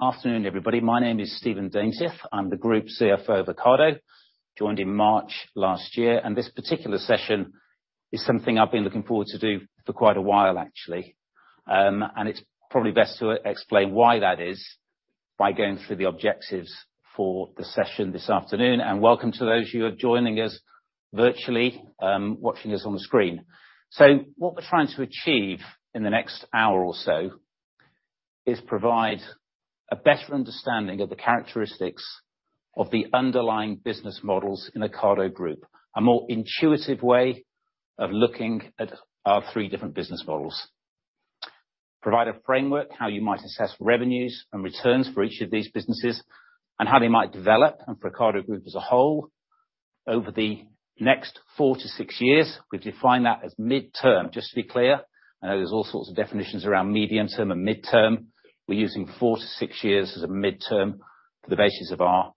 Afternoon, everybody. My name is Stephen Daintith. I'm the group CFO of Ocado, joined in March last year, and this particular session is something I've been looking forward to do for quite a while, actually. It's probably best to explain why that is by going through the objectives for the session this afternoon. Welcome to those who are joining us virtually, watching us on the screen. What we're trying to achieve in the next hour or so is provide a better understanding of the characteristics of the underlying business models in Ocado Group. A more intuitive way of looking at our three different business models. Provide a framework, how you might assess revenues and returns for each of these businesses, and how they might develop. For Ocado Group as a whole, over the next four to six years, we define that as midterm. Just to be clear, I know there's all sorts of definitions around medium term and midterm. We're using four-six years as a midterm for the basis of our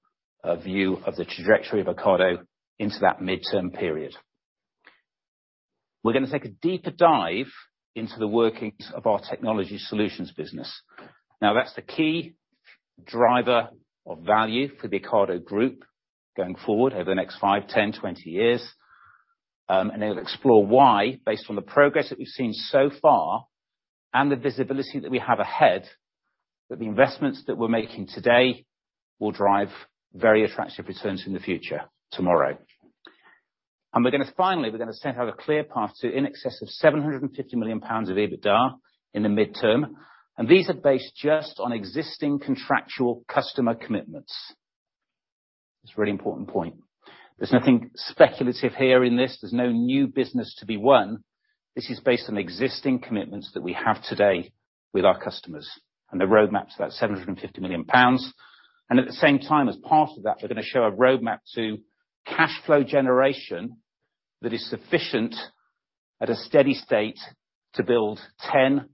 view of the trajectory of Ocado into that midterm period. We're gonna take a deeper dive into the workings of our Technology Solutions business. Now, that's the key driver of value for the Ocado Group going forward over the next five, 10, 20 years. And it'll explore why, based on the progress that we've seen so far and the visibility that we have ahead, that the investments that we're making today will drive very attractive returns in the future, tomorrow. Finally, we're gonna set out a clear path to in excess of 750 million pounds of EBITDA in the midterm, and these are based just on existing contractual customer commitments. It's a really important point. There's nothing speculative here in this. There's no new business to be won. This is based on existing commitments that we have today with our customers and the roadmaps, that's 750 million pounds. At the same time, as part of that, we're gonna show a roadmap to cash flow generation that is sufficient at a steady state to build 10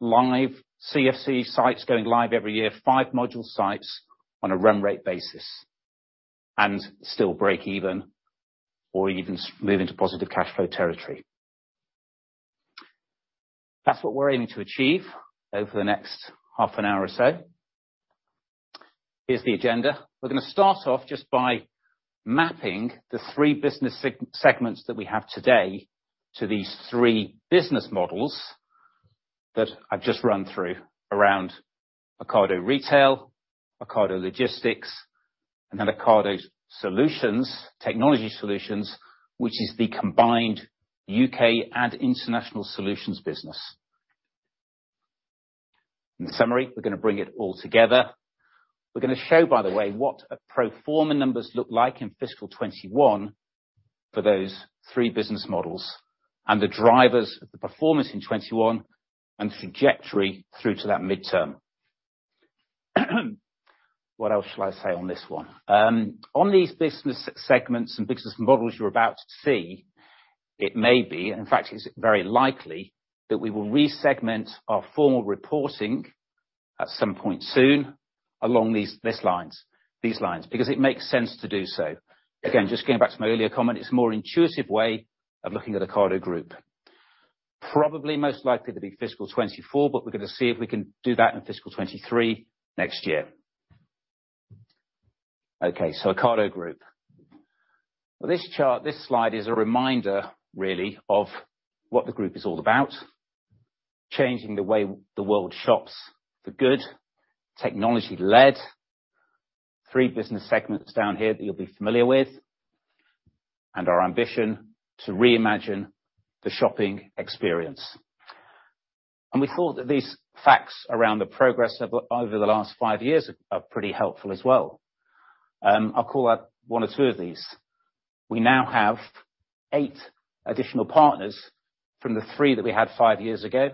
live CFC sites going live every year, five module sites on a run rate basis, and still break even or even move into positive cash flow territory. That's what we're aiming to achieve over the next half an hour or so. Here's the agenda. We're gonna start off just by mapping the three business segments that we have today to these three business models that I've just run through around Ocado Retail, Ocado Logistics, and then Ocado Solutions, Technology Solutions, which is the combined U.K. and International Solutions business. In summary, we're gonna bring it all together. We're gonna show, by the way, what a pro forma numbers look like in fiscal 2021 for those three business models and the drivers of the performance in 2021 and trajectory through to that midterm. What else shall I say on this one? On these business segments and business models you're about to see, it may be, in fact, it's very likely that we will re-segment our formal reporting at some point soon along these lines, because it makes sense to do so. Again, just going back to my earlier comment, it's a more intuitive way of looking at Ocado Group. Probably most likely to be fiscal 2024, but we're gonna see if we can do that in fiscal 2023 next year. Okay, so Ocado Group. This chart, this slide is a reminder, really, of what the group is all about, changing the way the world shops for good, technology-led. Three business segments down here that you'll be familiar with and our ambition to reimagine the shopping experience. We thought that these facts around the progress over the last five years are pretty helpful as well. I'll call out one or two of these. We now have eight additional partners from the three that we had five years ago.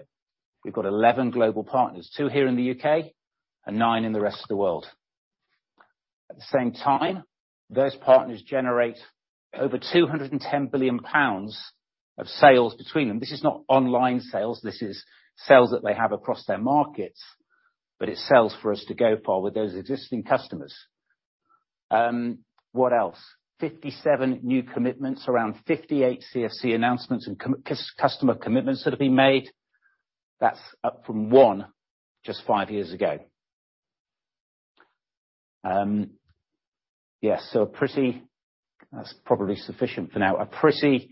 We've got 11 global partners, two here in the U.K. and nine in the rest of the world. At the same time, those partners generate over 210 billion pounds of sales between them. This is not online sales, this is sales that they have across their markets, but it's sales for us to go for with those existing customers. What else? 57 new commitments, around 58 CFC announcements and customer commitments that have been made. That's up from one just five years ago. That's probably sufficient for now. A pretty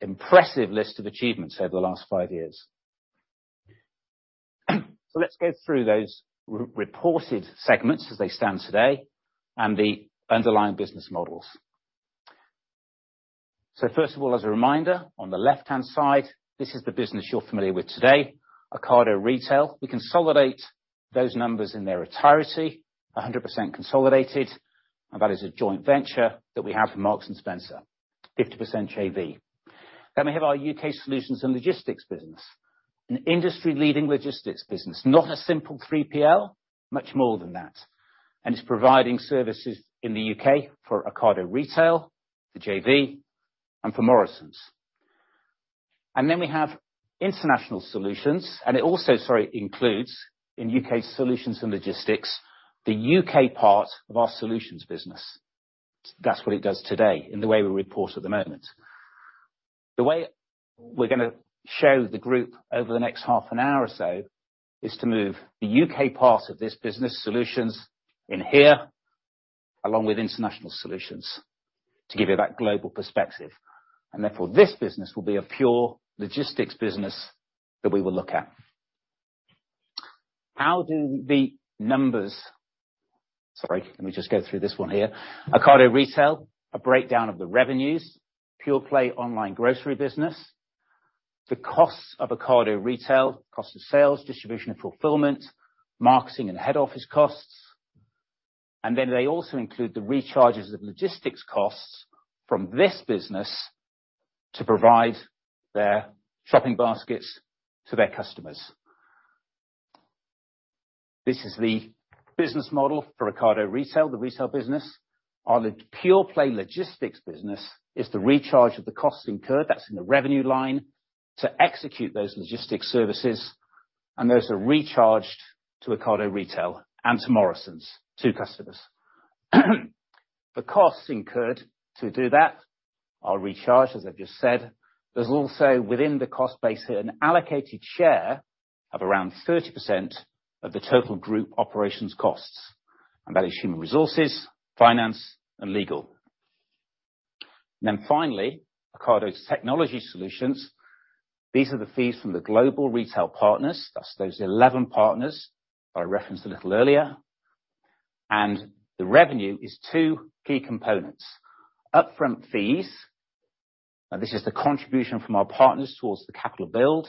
impressive list of achievements over the last five years. Let's go through those reported segments as they stand today and the underlying business models. First of all, as a reminder, on the left-hand side, this is the business you're familiar with today, Ocado Retail. We consolidate those numbers in their entirety, 100% consolidated, and that is a joint venture that we have with Marks & Spencer, 50% JV. We have our U.K. Solutions and Logistics business. An industry-leading logistics business, not a simple 3PL, much more than that. It's providing services in the U.K. for Ocado Retail, the JV, and for Morrisons. We have International Solutions, and it also, sorry, includes in U.K. Solutions and Logistics, the U.K. part of our solutions business. That's what it does today in the way we report at the moment. The way we're gonna show the group over the next half an hour or so is to move the U.K. part of this business solutions in here, along with international solutions to give you that global perspective. Therefore, this business will be a pure logistics business that we will look at. Sorry, let me just go through this one here. Ocado Retail, a breakdown of the revenues, pure-play online grocery business. The costs of Ocado Retail, cost of sales, distribution and fulfillment, marketing and head office costs. They also include the recharges of logistics costs from this business to provide their shopping baskets to their customers. This is the business model for Ocado Retail, the retail business. Our pure-play logistics business is the recharge of the costs incurred, that's in the revenue line, to execute those logistics services, and those are recharged to Ocado Retail and to Morrisons, two customers. The costs incurred to do that are recharged, as I've just said. There's also, within the cost base, an allocated share of around 30% of the total group operations costs, and that is human resources, finance, and legal. Finally, Ocado Technology Solutions. These are the fees from the global retail partners, that's those 11 partners that I referenced a little earlier. The revenue is two key components. Up-front fees, now this is the contribution from our partners towards the capital build,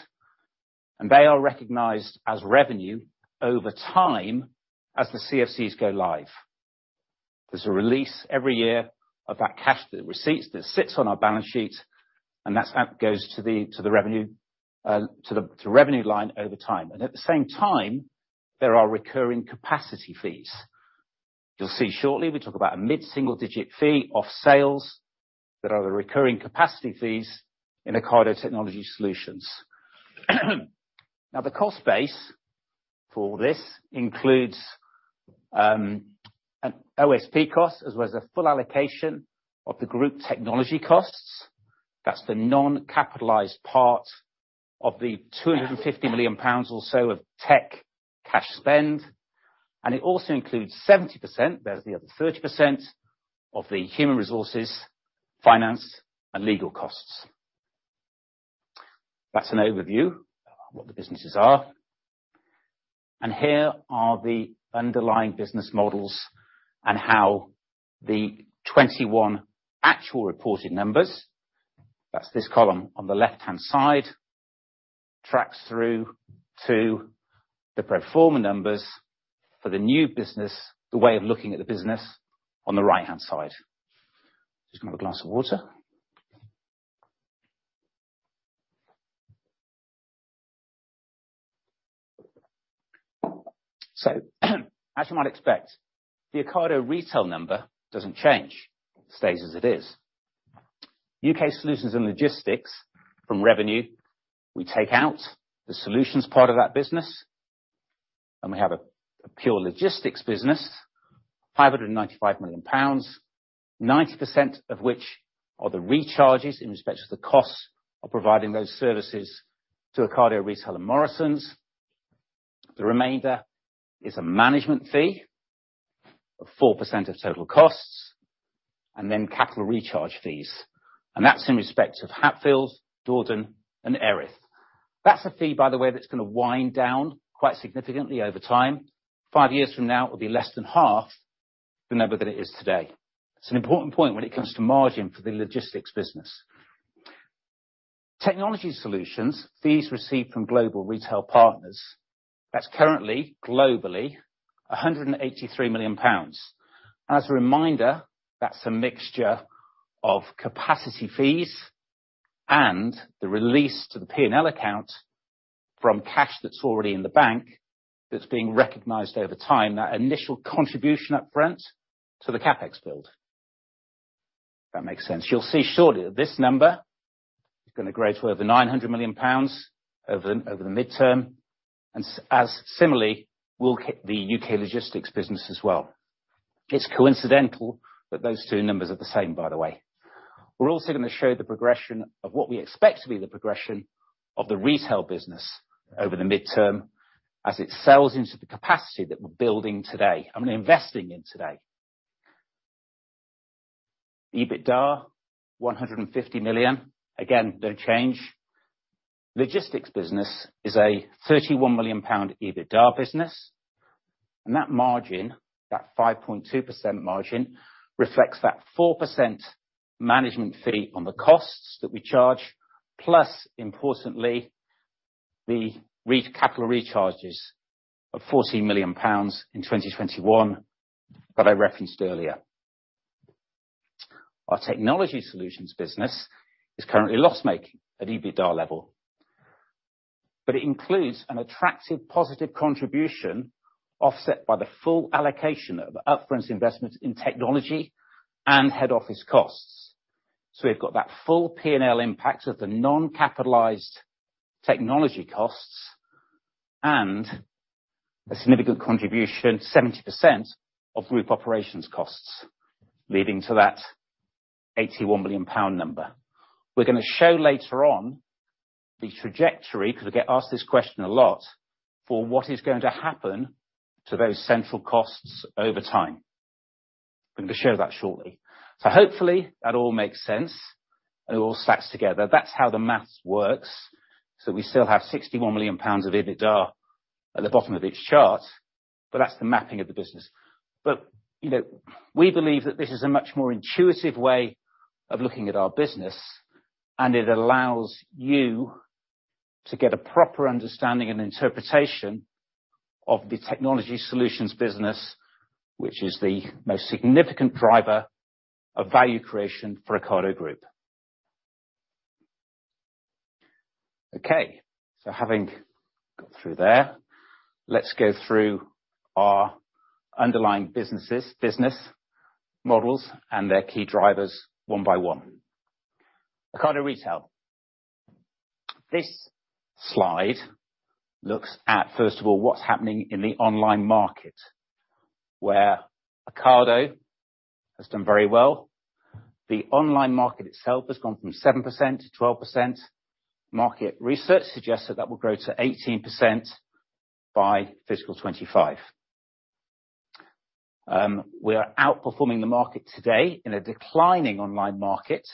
and they are recognized as revenue over time as the CFCs go live. There's a release every year of that cash, the receipts that sits on our balance sheet, and that's what goes to the revenue line over time. At the same time, there are recurring capacity fees. You'll see shortly, we talk about a mid-single-digit fee of sales that are the recurring capacity fees in Ocado Technology Solutions. Now, the cost base for this includes an OSP cost, as well as a full allocation of the group technology costs. That's the non-capitalized part of the 250 million pounds or so of tech cash spend. It also includes 70%, there's the other 30%, of the human resources, finance, and legal costs. That's an overview of what the businesses are. Here are the underlying business models and how the 21 actual reported numbers, that's this column on the left-hand side, tracks through to the pro forma numbers for the new business, the way of looking at the business on the right-hand side. Just gonna have a glass of water. As you might expect, the Ocado Retail number doesn't change. It stays as it is. U.K. Solutions and Logistics from revenue, we take out the Solutions part of that business, and we have a pure logistics business, 595 million pounds, 90% of which are the recharges in respect to the costs of providing those services to Ocado Retail and Morrisons. The remainder is a management fee of 4% of total costs, and then capital recharge fees, and that's in respect of Hatfield, Dordon, and Erith. That's a fee, by the way, that's gonna wind down quite significantly over time. Five years from now, it'll be less than half the number that it is today. It's an important point when it comes to margin for the logistics business. Technology Solutions, fees received from global retail partners. That's currently, globally, 183 million pounds. As a reminder, that's a mixture of capacity fees and the release to the P&L account from cash that's already in the bank that's being recognized over time, that initial contribution up front to the CapEx build. If that makes sense. You'll see shortly that this number is gonna grow to over 900 million pounds over the midterm, and similarly, will the U.K. logistics business as well. It's coincidental that those two numbers are the same, by the way. We're also gonna show the progression of what we expect to be the progression of the retail business over the midterm as it sells into the capacity that we're building today and investing in today. EBITDA, 150 million. Again, no change. Logistics business is a 31 million pound EBITDA business, and that margin, that 5.2% margin, reflects that 4% management fee on the costs that we charge, plus, importantly, the capital recharges of 40 million pounds in 2021 that I referenced earlier. Our technology solutions business is currently loss-making at EBITDA level, but it includes an attractive positive contribution offset by the full allocation of upfront investment in technology and head office costs. We've got that full P&L impact of the non-capitalized technology costs, and a significant contribution, 70% of group operations costs, leading to that 81 million pound number. We're gonna show later on the trajectory, because we get asked this question a lot, for what is going to happen to those central costs over time. We're gonna share that shortly. Hopefully that all makes sense and it all stacks together. That's how the math works. We still have 61 million pounds of EBITDA at the bottom of this chart, but that's the mapping of the business. You know, we believe that this is a much more intuitive way of looking at our business, and it allows you to get a proper understanding and interpretation of the Technology Solutions business, which is the most significant driver of value creation for Ocado Group. Having got through there, let's go through our underlying businesses, business models, and their key drivers one by one. Ocado Retail. This slide looks at, first of all, what's happening in the online market, where Ocado has done very well. The online market itself has gone from 7% to 12%. Market research suggests that that will grow to 18% by fiscal 2025. We are outperforming the market today in a declining online market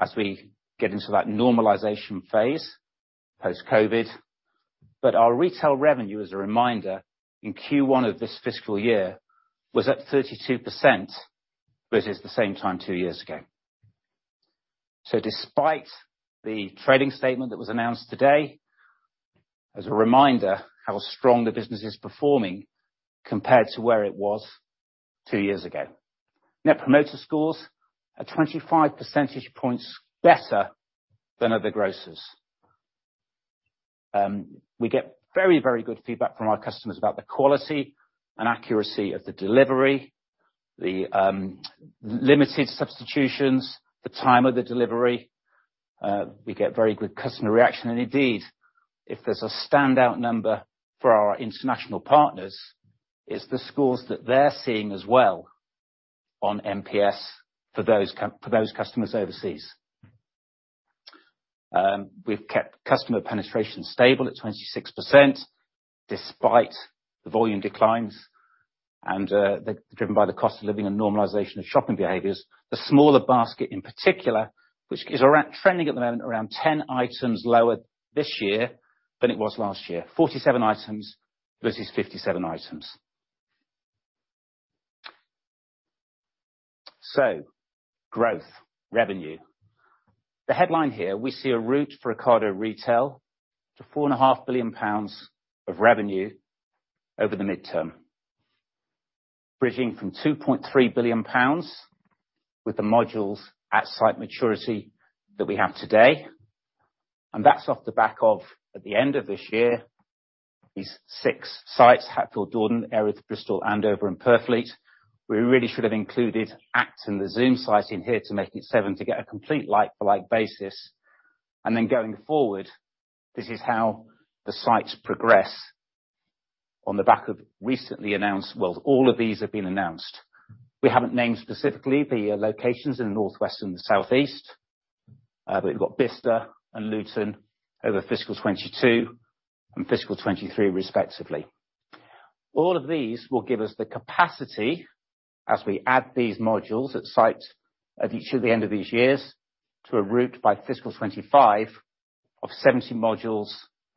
as we get into that normalization phase post-COVID. Our retail revenue, as a reminder, in Q1 of this fiscal year was at 32% versus the same time two years ago. Despite the trading statement that was announced today, as a reminder how strong the business is performing compared to where it was two years ago. Net promoter scores are 25 percentage points better than other grocers. We get very, very good feedback from our customers about the quality and accuracy of the delivery, the limited substitutions, the time of the delivery. We get very good customer reaction, and indeed, if there's a standout number for our international partners, it's the scores that they're seeing as well on NPS for those customers overseas. We've kept customer penetration stable at 26% despite the volume declines and they're driven by the cost of living and normalization of shopping behaviors. The smaller basket in particular, which is trending at the moment around 10 items lower this year than it was last year. 47 items versus 57 items. Growth, revenue. The headline here, we see a route for Ocado Retail to 4.5 billion pounds of revenue over the midterm, bridging from 2.3 billion pounds with the modules at site maturity that we have today. That's off the back of, at the end of this year, these six sites, Hatfield, Dordon, Erith, Bristol, Andover, and Purfleet. We really should have included Acton, the Zoom site in here to make it seven to get a complete like-for-like basis. Going forward, this is how the sites progress on the back of recently announced. Well, all of these have been announced. We haven't named specifically the locations in the Northwest and the Southeast. But we've got Bicester and Luton over fiscal 2022 and fiscal 2023, respectively. All of these will give us the capacity as we add these modules at sites at the end of each year to a run rate by fiscal 2025 of 70 modules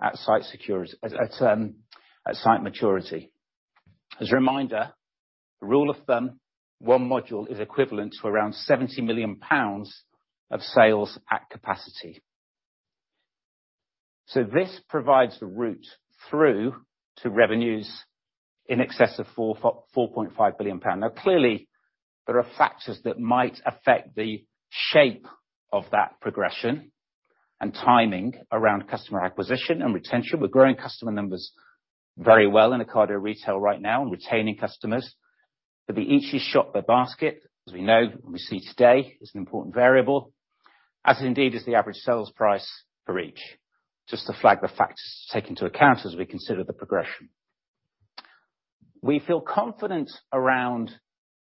at site capacity at site maturity. As a reminder, the rule of thumb, one module is equivalent to around 70 million pounds of sales at capacity. This provides the runway to revenues in excess of 4.5 billion pounds. Now, clearly, there are factors that might affect the shape of that progression and timing around customer acquisition and retention. We're growing customer numbers very well in Ocado Retail right now and retaining customers. The e-com shop, the basket, as we know, we see today, is an important variable, as indeed is the average sales price for each. Just to flag the facts, take into account as we consider the progression. We feel confident around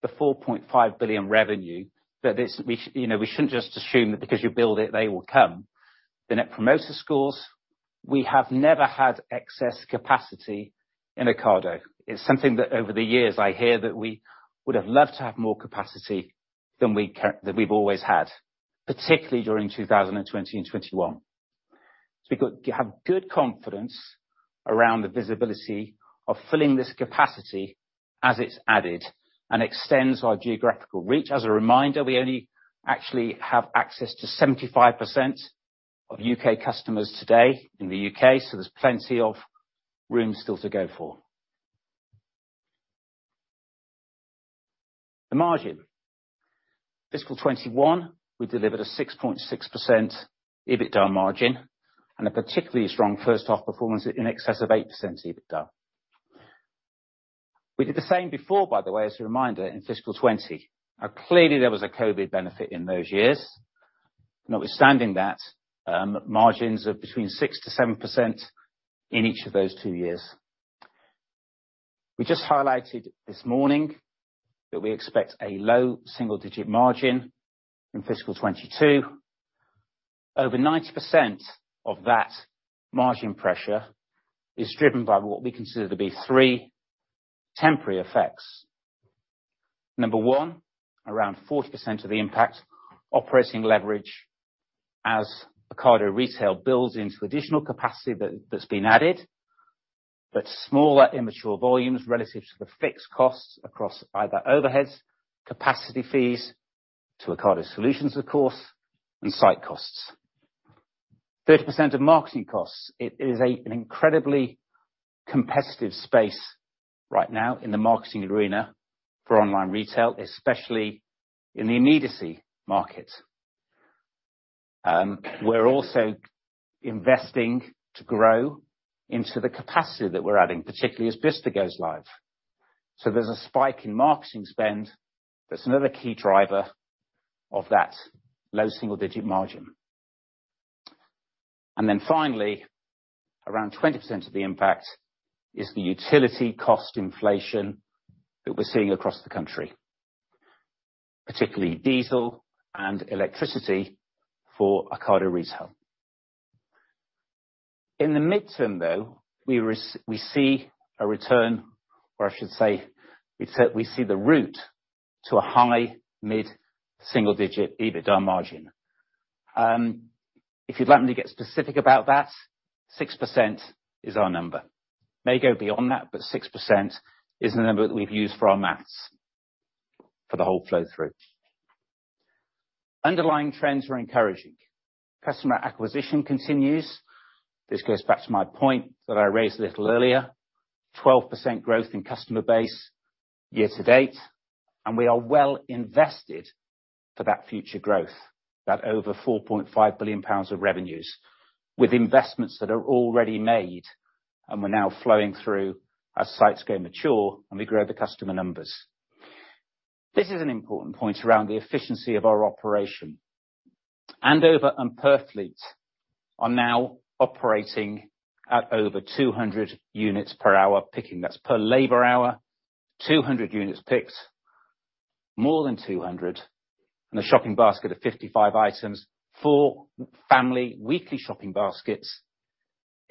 the 4.5 billion revenue that this you know, we shouldn't just assume that because you build it, they will come. The net promoter scores, we have never had excess capacity in Ocado. It's something that over the years I hear that we would have loved to have more capacity than we've always had, particularly during 2020 and 2021. We have good confidence around the visibility of filling this capacity as it's added and extends our geographical reach. As a reminder, we only actually have access to 75% of U.K. customers today in the U.K., so there's plenty of room still to go for. The margin. Fiscal 2021, we delivered a 6.6% EBITDA margin and a particularly strong first half performance in excess of 8% EBITDA. We did the same before, by the way, as a reminder, in fiscal 2020. Now, clearly, there was a COVID benefit in those years. Notwithstanding that, margins of between 6%-7% in each of those two years. We just highlighted this morning that we expect a low single-digit margin in fiscal 2022. Over 90% of that margin pressure is driven by what we consider to be three temporary effects. Number one, around 40% of the impact, operating leverage as Ocado Retail builds into additional capacity that's been added, but smaller immature volumes relative to the fixed costs across either overheads, capacity fees to Ocado Solutions, of course, and site costs. 30% of marketing costs. It is an incredibly competitive space right now in the marketing arena for online retail, especially in the immediacy market. We're also investing to grow into the capacity that we're adding, particularly as Bicester goes live. There's a spike in marketing spend that's another key driver of that low single-digit margin. Then finally, around 20% of the impact is the utility cost inflation that we're seeing across the country, particularly diesel and electricity for Ocado Retail. In the midterm, though, we see a return, or I should say, we see the route to a high mid-single digit EBITDA margin. If you'd like me to get specific about that, 6% is our number. May go beyond that, but 6% is the number that we've used for our math for the whole flow through. Underlying trends are encouraging. Customer acquisition continues. This goes back to my point that I raised a little earlier. 12% growth in customer base year to date, and we are well invested for that future growth, that over 4.5 billion pounds of revenues with investments that are already made and were now flowing through as sites go mature and we grow the customer numbers. This is an important point around the efficiency of our operation. Andover and Purfleet are now operating at over 200 units per hour picking. That's per labor hour, 200 units picked. More than 200 in a shopping basket of 55 items. Four family weekly shopping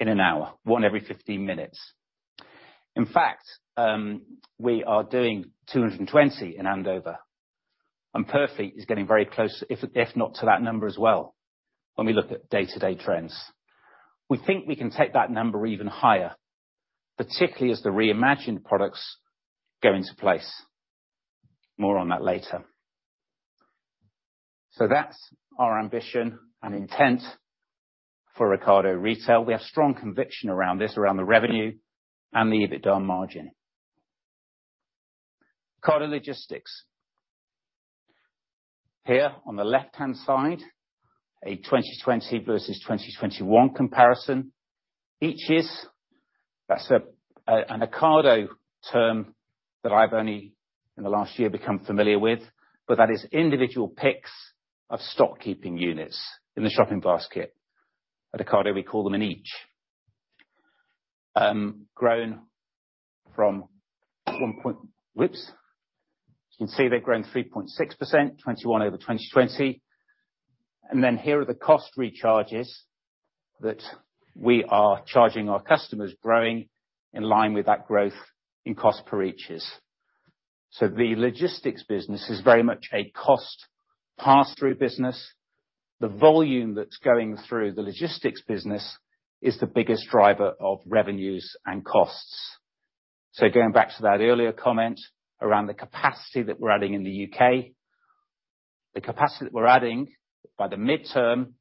baskets in an hour, one every 15 minutes. In fact, we are doing 220 in Andover, and Purfleet is getting very close, if not to that number as well, when we look at day-to-day trends. We think we can take that number even higher, particularly as the Re:Imagined products go into place. More on that later. That's our ambition and intent for Ocado Retail. We have strong conviction around this, around the revenue and the EBITDA margin. Ocado Logistics. Here on the left-hand side, a 2020 versus 2021 comparison. Each is, that's a, an Ocado term that I've only in the last year become familiar with, but that is individual picks of stock keeping units in the shopping basket. At Ocado, we call them an each. You can see they've grown 3.6%, 2021 over 2020. Here are the cost recharges that we are charging our customers, growing in line with that growth in cost per each. The logistics business is very much a cost pass-through business. The volume that's going through the logistics business is the biggest driver of revenues and costs. Going back to that earlier comment around the capacity that we're adding in the U.K., the capacity that we're adding by the midterm,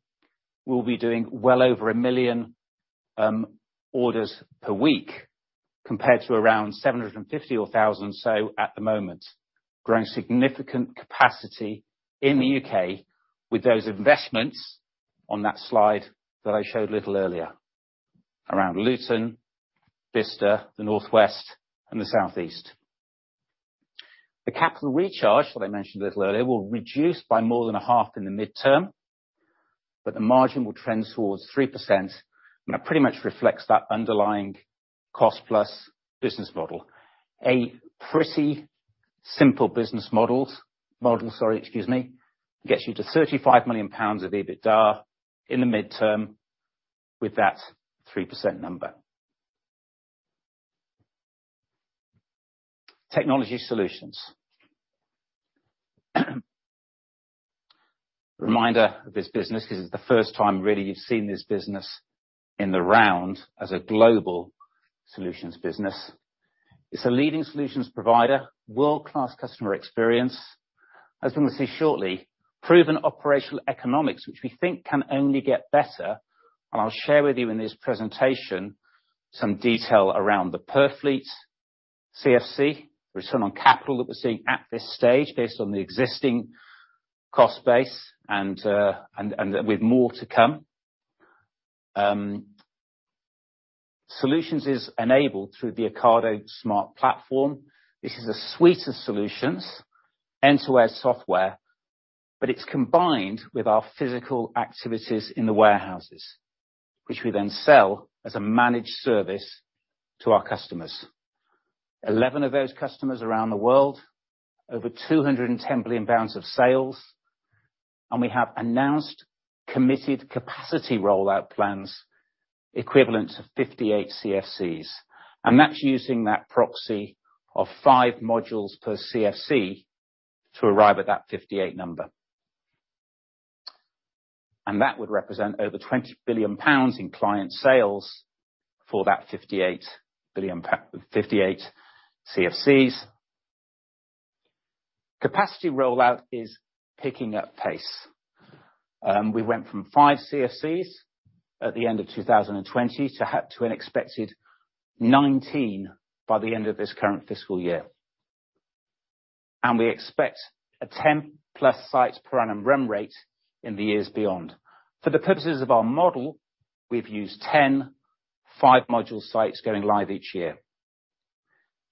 we'll be doing well over one million orders per week compared to around 750 or 1,000 or so at the moment. Growing significant capacity in the U.K. with those investments on that slide that I showed a little earlier around Luton, Bicester, the Northwest, and the Southeast. The capital charge that I mentioned a little earlier will reduce by more than a half in the midterm, but the margin will trend towards 3%, and that pretty much reflects that underlying cost-plus business model. A pretty simple business model. Gets you to 35 million pounds of EBITDA in the midterm with that 3% number. Technology Solutions. Reminder of this business, 'cause it's the first time really you've seen this business in the round as a global solutions business. It's a leading solutions provider, world-class customer experience. As we will see shortly, proven operational economics, which we think can only get better, and I'll share with you in this presentation some detail around the Purfleet CFC, return on capital that we're seeing at this stage based on the existing cost base and with more to come. Solutions is enabled through the Ocado Smart Platform. This is a suite of solutions, end-to-end software, but it's combined with our physical activities in the warehouses, which we then sell as a managed service to our customers. 11 of those customers around the world, over 210 billion pounds of sales, and we have announced committed capacity rollout plans equivalent to 58 CFCs. That's using that proxy of 5 modules per CFC to arrive at that 58 number. That would represent over 20 billion pounds in client sales for that 58 CFCs. Capacity rollout is picking up pace. We went from 5 CFCs at the end of 2020 to an expected 19 by the end of this current fiscal year. We expect a 10+ sites per annum run rate in the years beyond. For the purposes of our model, we've used 10 5-module sites going live each year.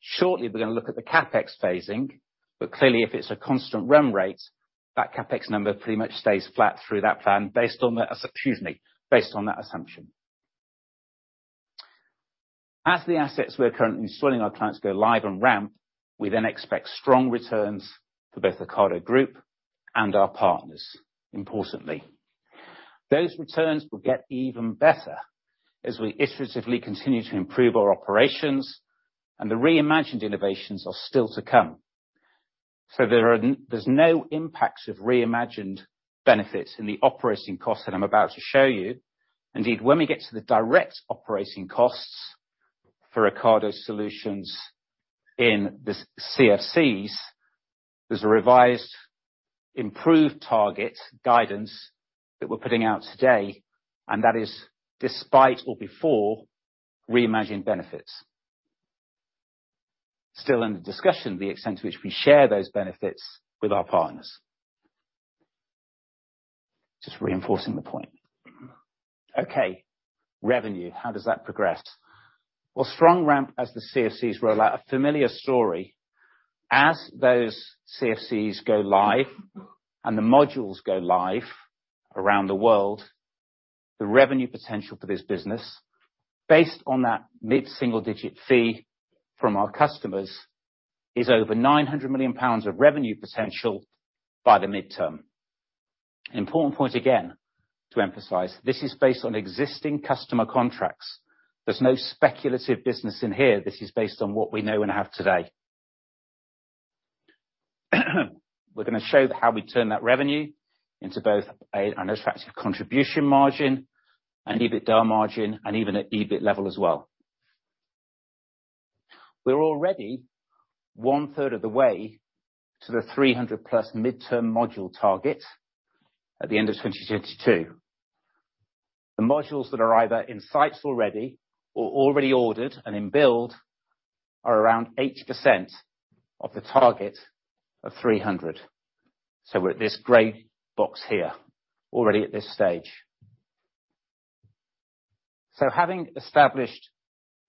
Shortly, we're gonna look at the CapEx phasing, but clearly, if it's a constant run rate, that CapEx number pretty much stays flat through that plan based on that assumption. As the assets we are currently installing our clients go live and ramp, we then expect strong returns for both Ocado Group and our partners, importantly. Those returns will get even better as we iteratively continue to improve our operations and the Re:Imagined innovations are still to come. There's no impacts of Re:Imagined benefits in the operating cost that I'm about to show you. Indeed, when we get to the direct operating costs for Ocado Solutions in the CFCs, there's a revised improved target guidance that we're putting out today, and that is despite or before Re:Imagined benefits. Still under discussion, the extent to which we share those benefits with our partners. Just reinforcing the point. Okay, revenue, how does that progress? Well, strong ramp as the CFCs roll out. A familiar story. As those CFCs go live and the modules go live around the world, the revenue potential for this business, based on that mid-single digit fee from our customers, is over 900 million pounds of revenue potential by the midterm. Important point again, to emphasize, this is based on existing customer contracts. There's no speculative business in here. This is based on what we know and have today. We're gonna show how we turn that revenue into both an attractive contribution margin and EBITDA margin and even at EBIT level as well. We're already one third of the way to the 300+ midterm module target at the end of 2022. The modules that are either in sites already or already ordered and in build are around 8% of the target of 300. We're at this gray box here, already at this stage. Having established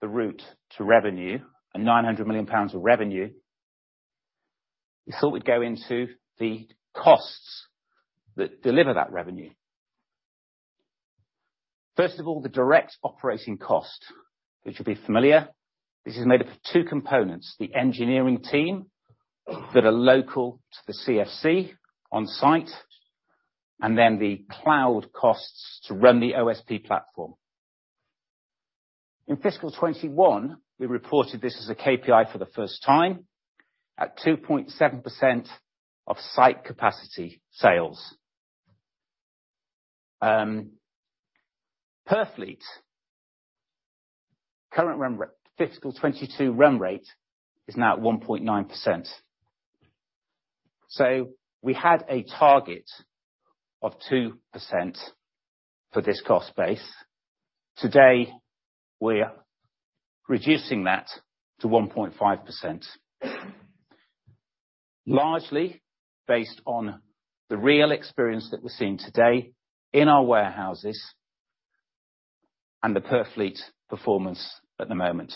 the route to revenue and 900 million pounds of revenue, we thought we'd go into the costs that deliver that revenue. First of all, the direct operating cost, which will be familiar. This is made up of two components, the engineering team that are local to the CFC on-site, and then the cloud costs to run the OSP platform. In fiscal 2021, we reported this as a KPI for the first time at 2.7% of site capacity sales. Per fleet, current fiscal 2022 run rate is now 1.9%. We had a target of 2% for this cost base. Today, we're reducing that to 1.5%. Largely based on the real experience that we're seeing today in our warehouses and the Purfleet performance at the moment.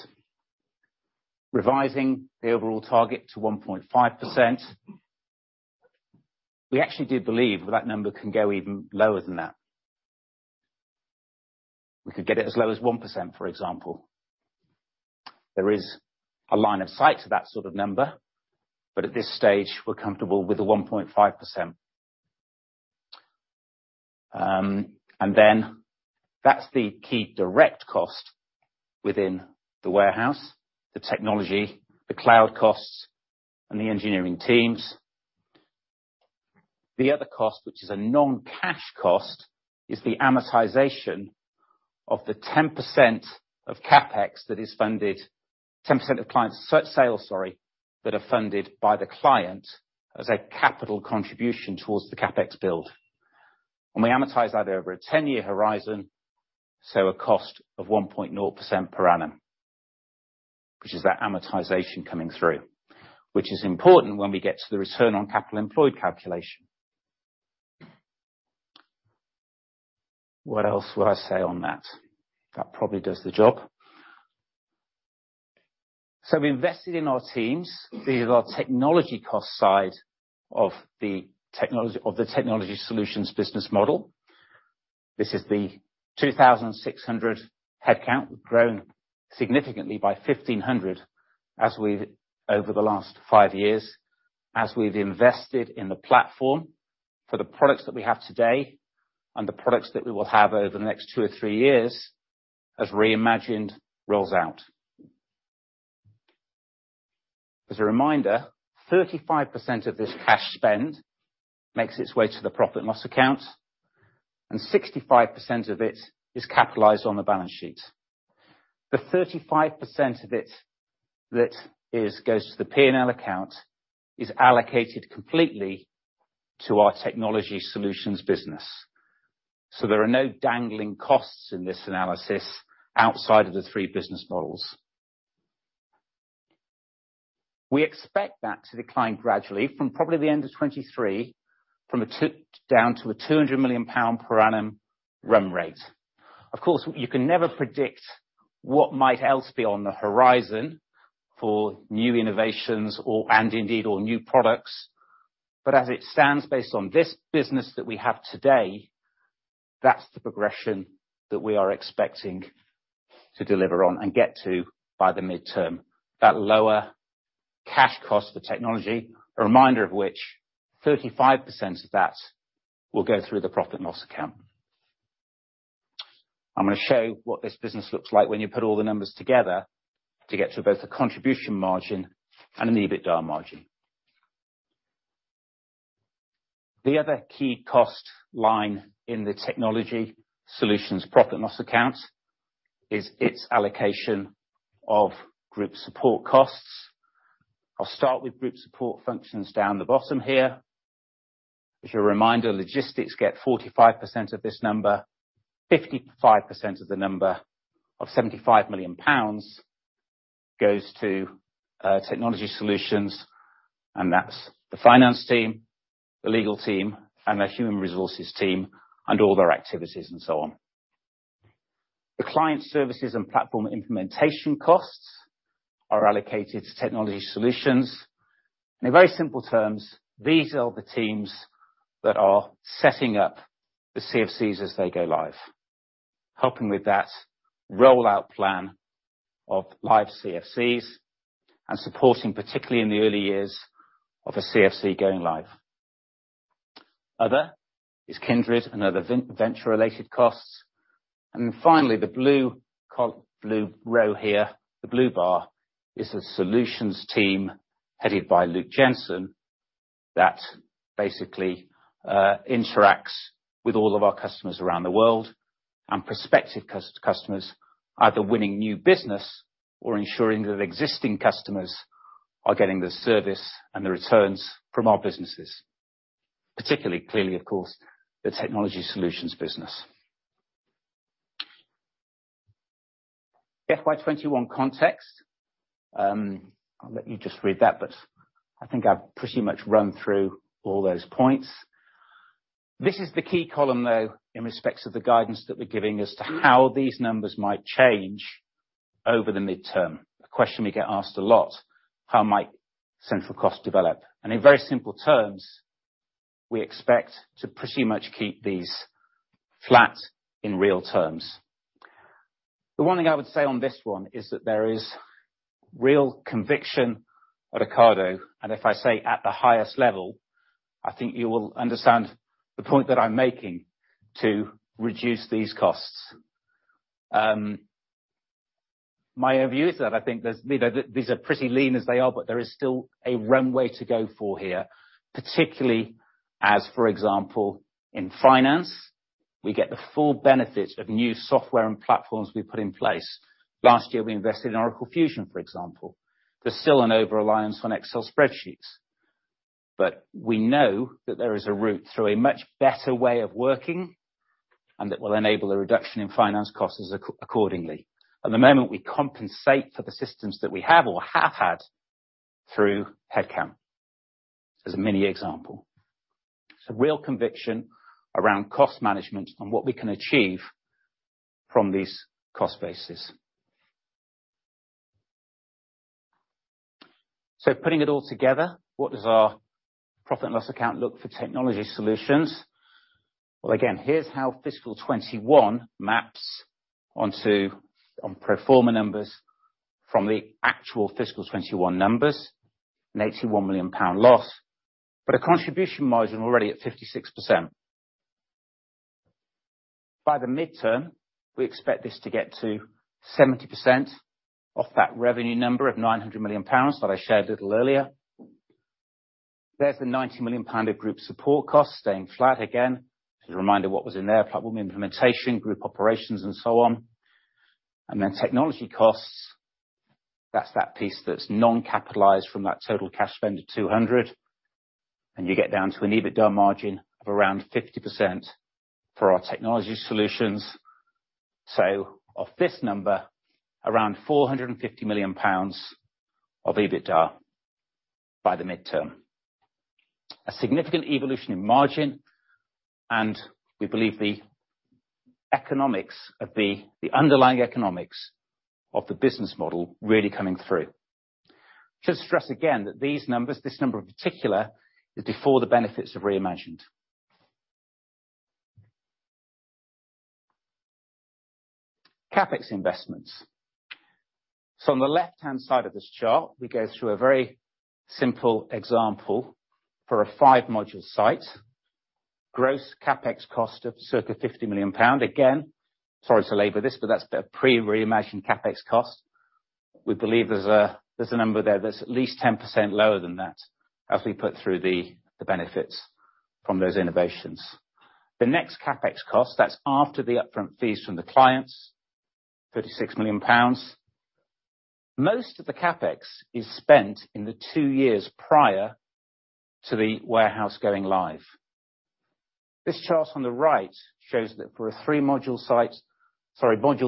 Revising the overall target to 1.5%, we actually do believe that number can go even lower than that. We could get it as low as 1%, for example. There is a line of sight to that sort of number, but at this stage, we're comfortable with the 1.5%. That's the key direct cost within the warehouse, the technology, the cloud costs, and the engineering teams. The other cost, which is a non-cash cost, is the amortization of the 10% of client sales, sorry, that are funded by the client as a capital contribution towards the CapEx build. We amortize that over a 10-year horizon, so a cost of 1% per annum. Which is that amortization coming through, which is important when we get to the return on capital employed calculation. What else would I say on that? That probably does the job. We invested in our teams. These are our technology cost side of the Technology Solutions business model. This is the 2,600 headcount, grown significantly by 1,500 as we've over the last five years, as we've invested in the platform for the products that we have today and the products that we will have over the next two or three years as Re:Imagined rolls out. As a reminder, 35% of this cash spend makes its way to the profit and loss account, and 65% of it is capitalized on the balance sheet. The 35% of it that goes to the P&L account is allocated completely to our Technology Solutions business. There are no dangling costs in this analysis outside of the three business models. We expect that to decline gradually from probably the end of 2023, from a 200 million down to a 200 million pound per annum run rate. Of course, you can never predict what else might be on the horizon for new innovations or new products. As it stands, based on this business that we have today, that's the progression that we are expecting to deliver on and get to by the midterm. That lower cash cost for technology, a reminder of which 35% of that will go through the profit and loss account. I'm gonna show what this business looks like when you put all the numbers together to get to both the contribution margin and an EBITDA margin. The other key cost line in the Technology Solutions profit and loss account is its allocation of group support costs. I'll start with group support functions down the bottom here. As a reminder, Logistics get 45% of this number. 55% of the number of 75 million pounds goes to Technology Solutions, and that's the finance team, the legal team, and the human resources team, and all their activities and so on. The client services and platform implementation costs are allocated to Technology Solutions. In very simple terms, these are the teams that are setting up the CFCs as they go live, helping with that rollout plan of live CFCs and supporting, particularly in the early years of a CFC going live. Other is Kindred and other venture-related costs. Finally, the blue row here, the blue bar, is a solutions team headed by Luke Jensen that basically interacts with all of our customers around the world and prospective customers, either winning new business or ensuring that existing customers are getting the service and the returns from our businesses, particularly, clearly, of course, the technology solutions business. FY 2021 context, I'll let you just read that, but I think I've pretty much run through all those points. This is the key column, though, in respects of the guidance that we're giving as to how these numbers might change over the midterm. A question we get asked a lot, "How might central cost develop?" In very simple terms, we expect to pretty much keep these flat in real terms. The one thing I would say on this one is that there is real conviction at Ocado, and if I say at the highest level, I think you will understand the point that I'm making to reduce these costs. My own view is that I think these are pretty lean as they are, but there is still a runway to go for here, particularly as, for example, in finance, we get the full benefit of new software and platforms we put in place. Last year, we invested in Oracle Fusion, for example. There's still an over-reliance on Excel spreadsheets, but we know that there is a route through a much better way of working, and that will enable a reduction in finance costs accordingly. At the moment, we compensate for the systems that we have or have had through headcount, as a mini example. Real conviction around cost management and what we can achieve from these cost bases. Putting it all together, what does our profit and loss account look like for Technology Solutions? Well, again, here's how fiscal 2021 maps onto pro forma numbers from the actual fiscal 2021 numbers, a 81 million pound loss, but a contribution margin already at 56%. By the midterm, we expect this to get to 70% of that revenue number of 900 million pounds that I shared a little earlier. There's the 90 million pound of group support costs staying flat again. As a reminder, what was in there, platform implementation, group operations, and so on. Then technology costs. That's that piece that's non-capitalized from that total cash spend of 200. You get down to an EBITDA margin of around 50% for our Technology Solutions. Of this number, around 450 million pounds of EBITDA by the midterm. A significant evolution in margin, and we believe the economics of the underlying economics of the business model really coming through. Just to stress again that these numbers, this number in particular, is before the benefits of Re:Imagined CapEx investments. On the left-hand side of this chart, we go through a very simple example for a 5-module site. Gross CapEx cost of circa 50 million pound. Again, sorry to labor this, but that's the pre-Re:Imagined CapEx cost. We believe there's a number there that's at least 10% lower than that as we put through the benefits from those innovations. The next CapEx cost, that's after the upfront fees from the clients, 36 million pounds. Most of the CapEx is spent in the two years prior to the warehouse going live. This chart on the right shows that for modules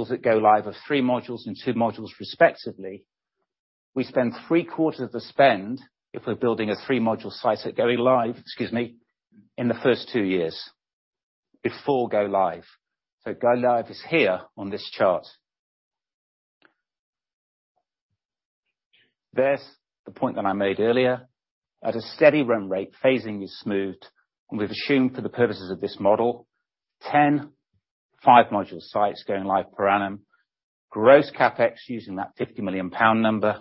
that go live of three modules and two modules, respectively, we spend three-quarters of the spend if we're building a three-module site at going live in the first two years, before go live. Go live is here on this chart. There's the point that I made earlier. At a steady run rate, phasing is smoothed, and we've assumed for the purposes of this model, 10 five-module sites going live per annum. Gross CapEx using that 50 million pound number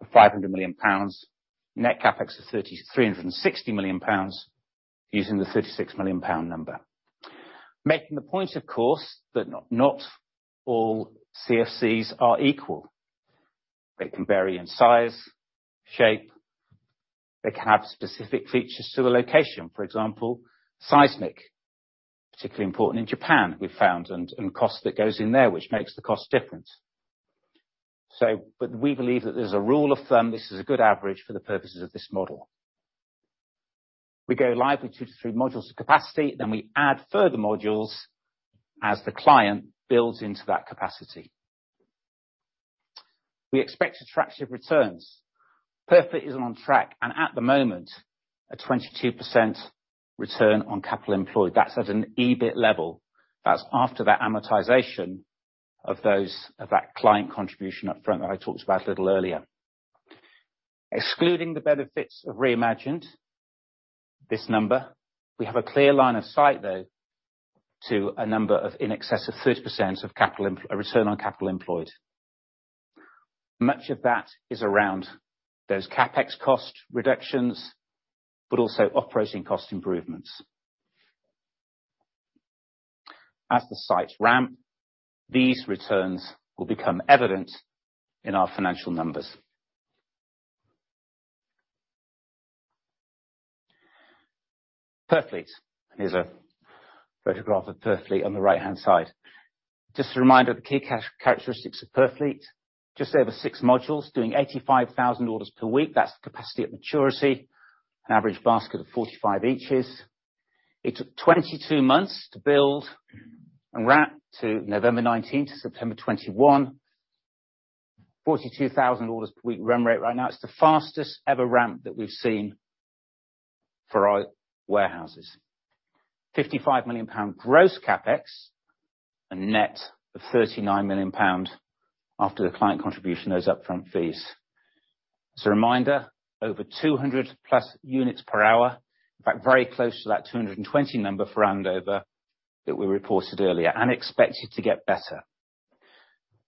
of 500 million pounds. Net CapEx of 3,360 million pounds using the 36 million pound number. Making the point, of course, that not all CFCs are equal. They can vary in size, shape. They can have specific features to a location, for example, seismic, particularly important in Japan, we've found, and cost that goes in there which makes the cost different. We believe that there's a rule of thumb. This is a good average for the purposes of this model. We go live with two-three modules of capacity, then we add further modules as the client builds into that capacity. We expect attractive returns. Purfleet is on track and at the moment, a 22% return on capital employed. That's at an EBIT level. That's after that amortization of that client contribution up front that I talked about a little earlier. Excluding the benefits of Re:Imagined, this number, we have a clear line of sight, though, to a number in excess of 30% return on capital employed. Much of that is around those CapEx cost reductions, but also operating cost improvements. As the sites ramp, these returns will become evident in our financial numbers. Purfleet. Here's a photograph of Purfleet on the right-hand side. Just a reminder of the key characteristics of Purfleet. Just over six modules doing 85,000 orders per week. That's the capacity at maturity. An average basket of 45 inches. It took 22 months to build and ramp to November 19, 2019 to September 21, 2021. 42,000 orders per week run rate right now. It's the fastest ever ramp that we've seen for our warehouses. 55 million pound gross CapEx and net of 39 million pounds after the client contribution, those upfront fees. As a reminder, over 200+ units per hour. In fact, very close to that 220 number for Andover that we reported earlier, and expected to get better.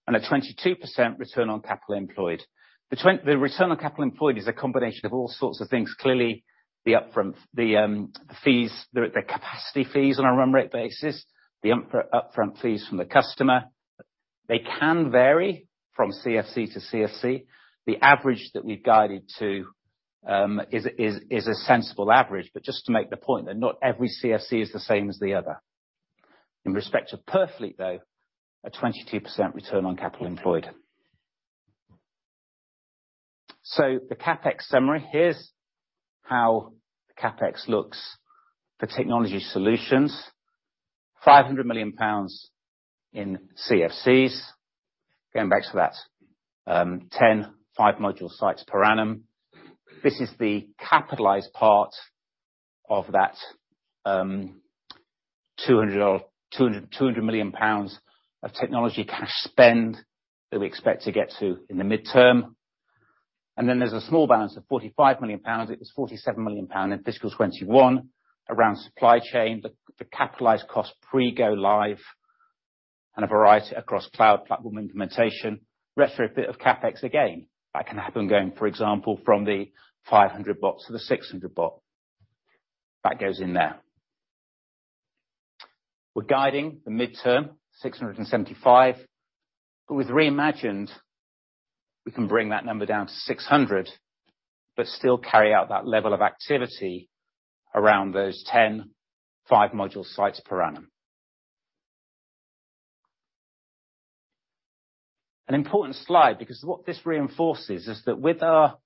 A 22% return on capital employed. The return on capital employed is a combination of all sorts of things. Clearly, the upfront fees, the capacity fees on a run rate basis, the upfront fees from the customer. They can vary from CFC to CFC. The average that we've guided to is a sensible average. Just to make the point that not every CFC is the same as the other. In respect to Purfleet, though, a 22% return on capital employed. The CapEx summary. Here's how the CapEx looks for Technology Solutions. 500 million pounds in CFCs. Going back to that, 10 five-module sites per annum. This is the capitalized part of that 200 million pounds of technology cash spend that we expect to get to in the midterm. Then there's a small balance of 45 million pounds. It was 47 million pounds in fiscal 2021 around supply chain, the capitalized cost pre-go live, and a variety across cloud platform implementation. Retrofit of CapEx again. That can happen going, for example, from the 500 bot to the 600 bot. That goes in there. We're guiding the midterm 675 million. With reimagined, we can bring that number down to 600, but still carry out that level of activity around those 10 5-module sites per annum. An important slide, because what this reinforces is that with our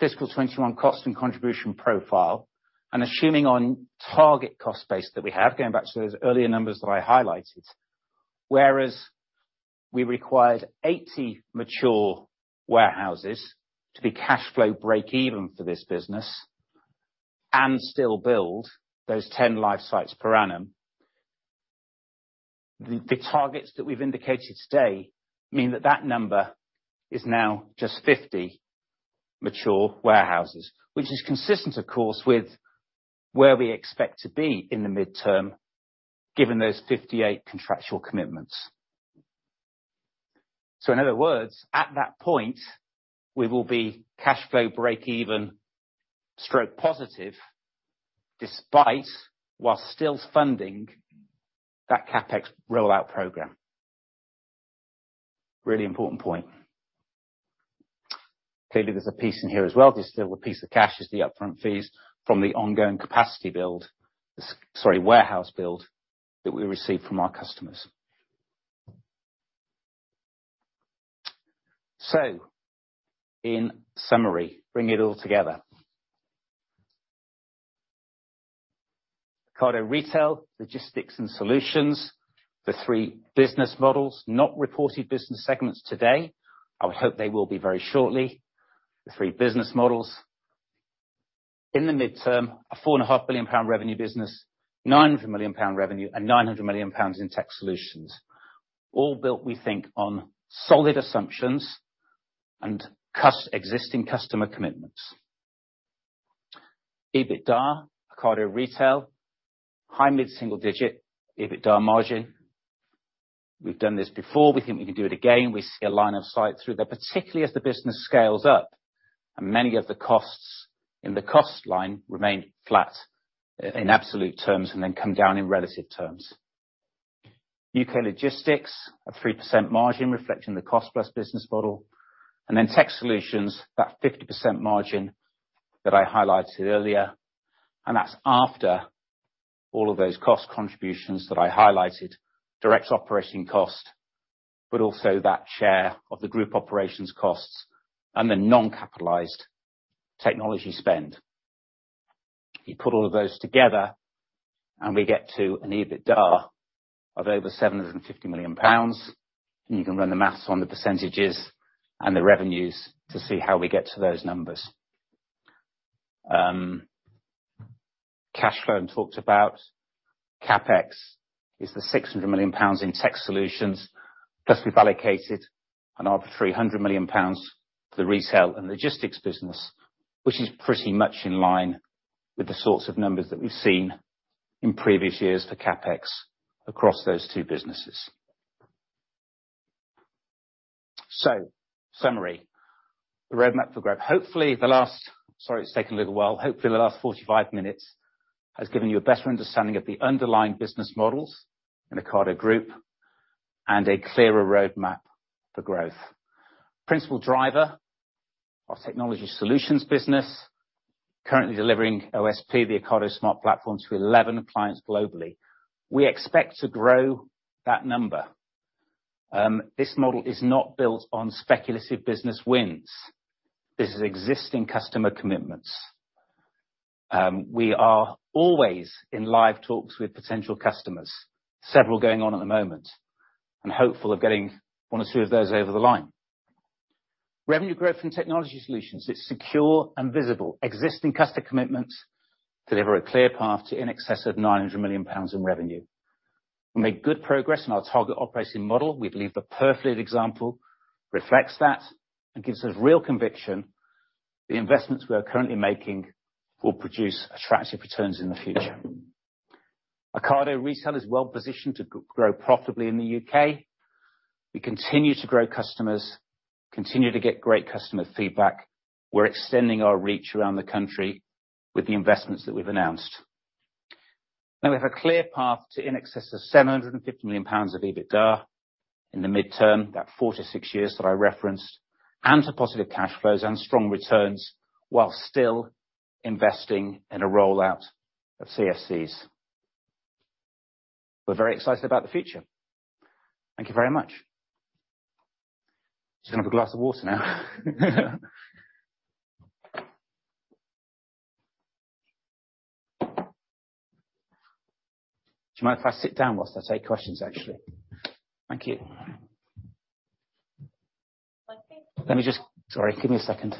fiscal 2021 cost and contribution profile, and assuming on target cost base that we have, going back to those earlier numbers that I highlighted, whereas we required 80 mature warehouses to be cash flow breakeven for this business and still build those 10 live sites per annum. The targets that we've indicated today mean that that number is now just 50 mature warehouses. Which is consistent of course, with where we expect to be in the midterm, given those 58 contractual commitments. In other words, at that point, we will be cash flow breakeven/positive despite while still funding that CapEx rollout program. Really important point. Clearly, there's a piece in here as well. There's still a piece of cash as the upfront fees from the ongoing capacity build, warehouse build that we receive from our customers. In summary, bring it all together. Ocado Retail, Logistics, and Solutions, the three business models, not reported business segments today, I would hope they will be very shortly. The three business models. In the medium term, a 4.5 Billion pound revenue business, 900 million pound revenue, and 900 million pounds in Tech Solutions. All built, we think, on solid assumptions and existing customer commitments. EBITDA, Ocado Retail, high mid-single digit EBITDA margin. We've done this before. We think we can do it again. We see a line of sight through there, particularly as the business scales up and many of the costs in the cost line remain flat in absolute terms and then come down in relative terms. U.K. Logistics, a 3% margin reflecting the cost plus business model, and then Tech Solutions, that 50% margin that I highlighted earlier, and that's after all of those cost contributions that I highlighted, direct operating cost, but also that share of the group operations costs and the non-capitalized technology spend. You put all of those together and we get to an EBITDA of over 750 million pounds, and you can run the math on the percentages and the revenues to see how we get to those numbers. Cash flow, talked about. CapEx is 600 million pounds in Tech Solutions. Plus, we've allocated another 300 million pounds to the Retail and Logistics business, which is pretty much in line with the sorts of numbers that we've seen in previous years for CapEx across those two businesses. Summary. The roadmap for growth. Sorry it's taken a little while. Hopefully the last 45 minutes has given you a better understanding of the underlying business models in Ocado Group and a clearer roadmap for growth. Principal driver, our technology solutions business, currently delivering OSP, the Ocado Smart Platform, to 11 clients globally. We expect to grow that number. This model is not built on speculative business wins. This is existing customer commitments. We are always in live talks with potential customers, several going on at the moment, and hopeful of getting one or two of those over the line. Revenue growth from Technology Solutions, it's secure and visible. Existing customer commitments deliver a clear path to in excess of 900 million pounds in revenue. We made good progress in our target operating model. We believe the Purfleet example reflects that and gives us real conviction the investments we are currently making will produce attractive returns in the future. Ocado Retail is well-positioned to grow profitably in the U.K. We continue to grow customers, continue to get great customer feedback. We're extending our reach around the country with the investments that we've announced. Now we have a clear path to in excess of 750 million pounds of EBITDA in the medium term, that four to six years that I referenced, and to positive cash flows and strong returns while still investing in a rollout of CFCs. We're very excited about the future. Thank you very much. Just gonna have a glass of water now. Do you mind if I sit down whilst I take questions, actually? Thank you. Okay. Sorry, give me a second.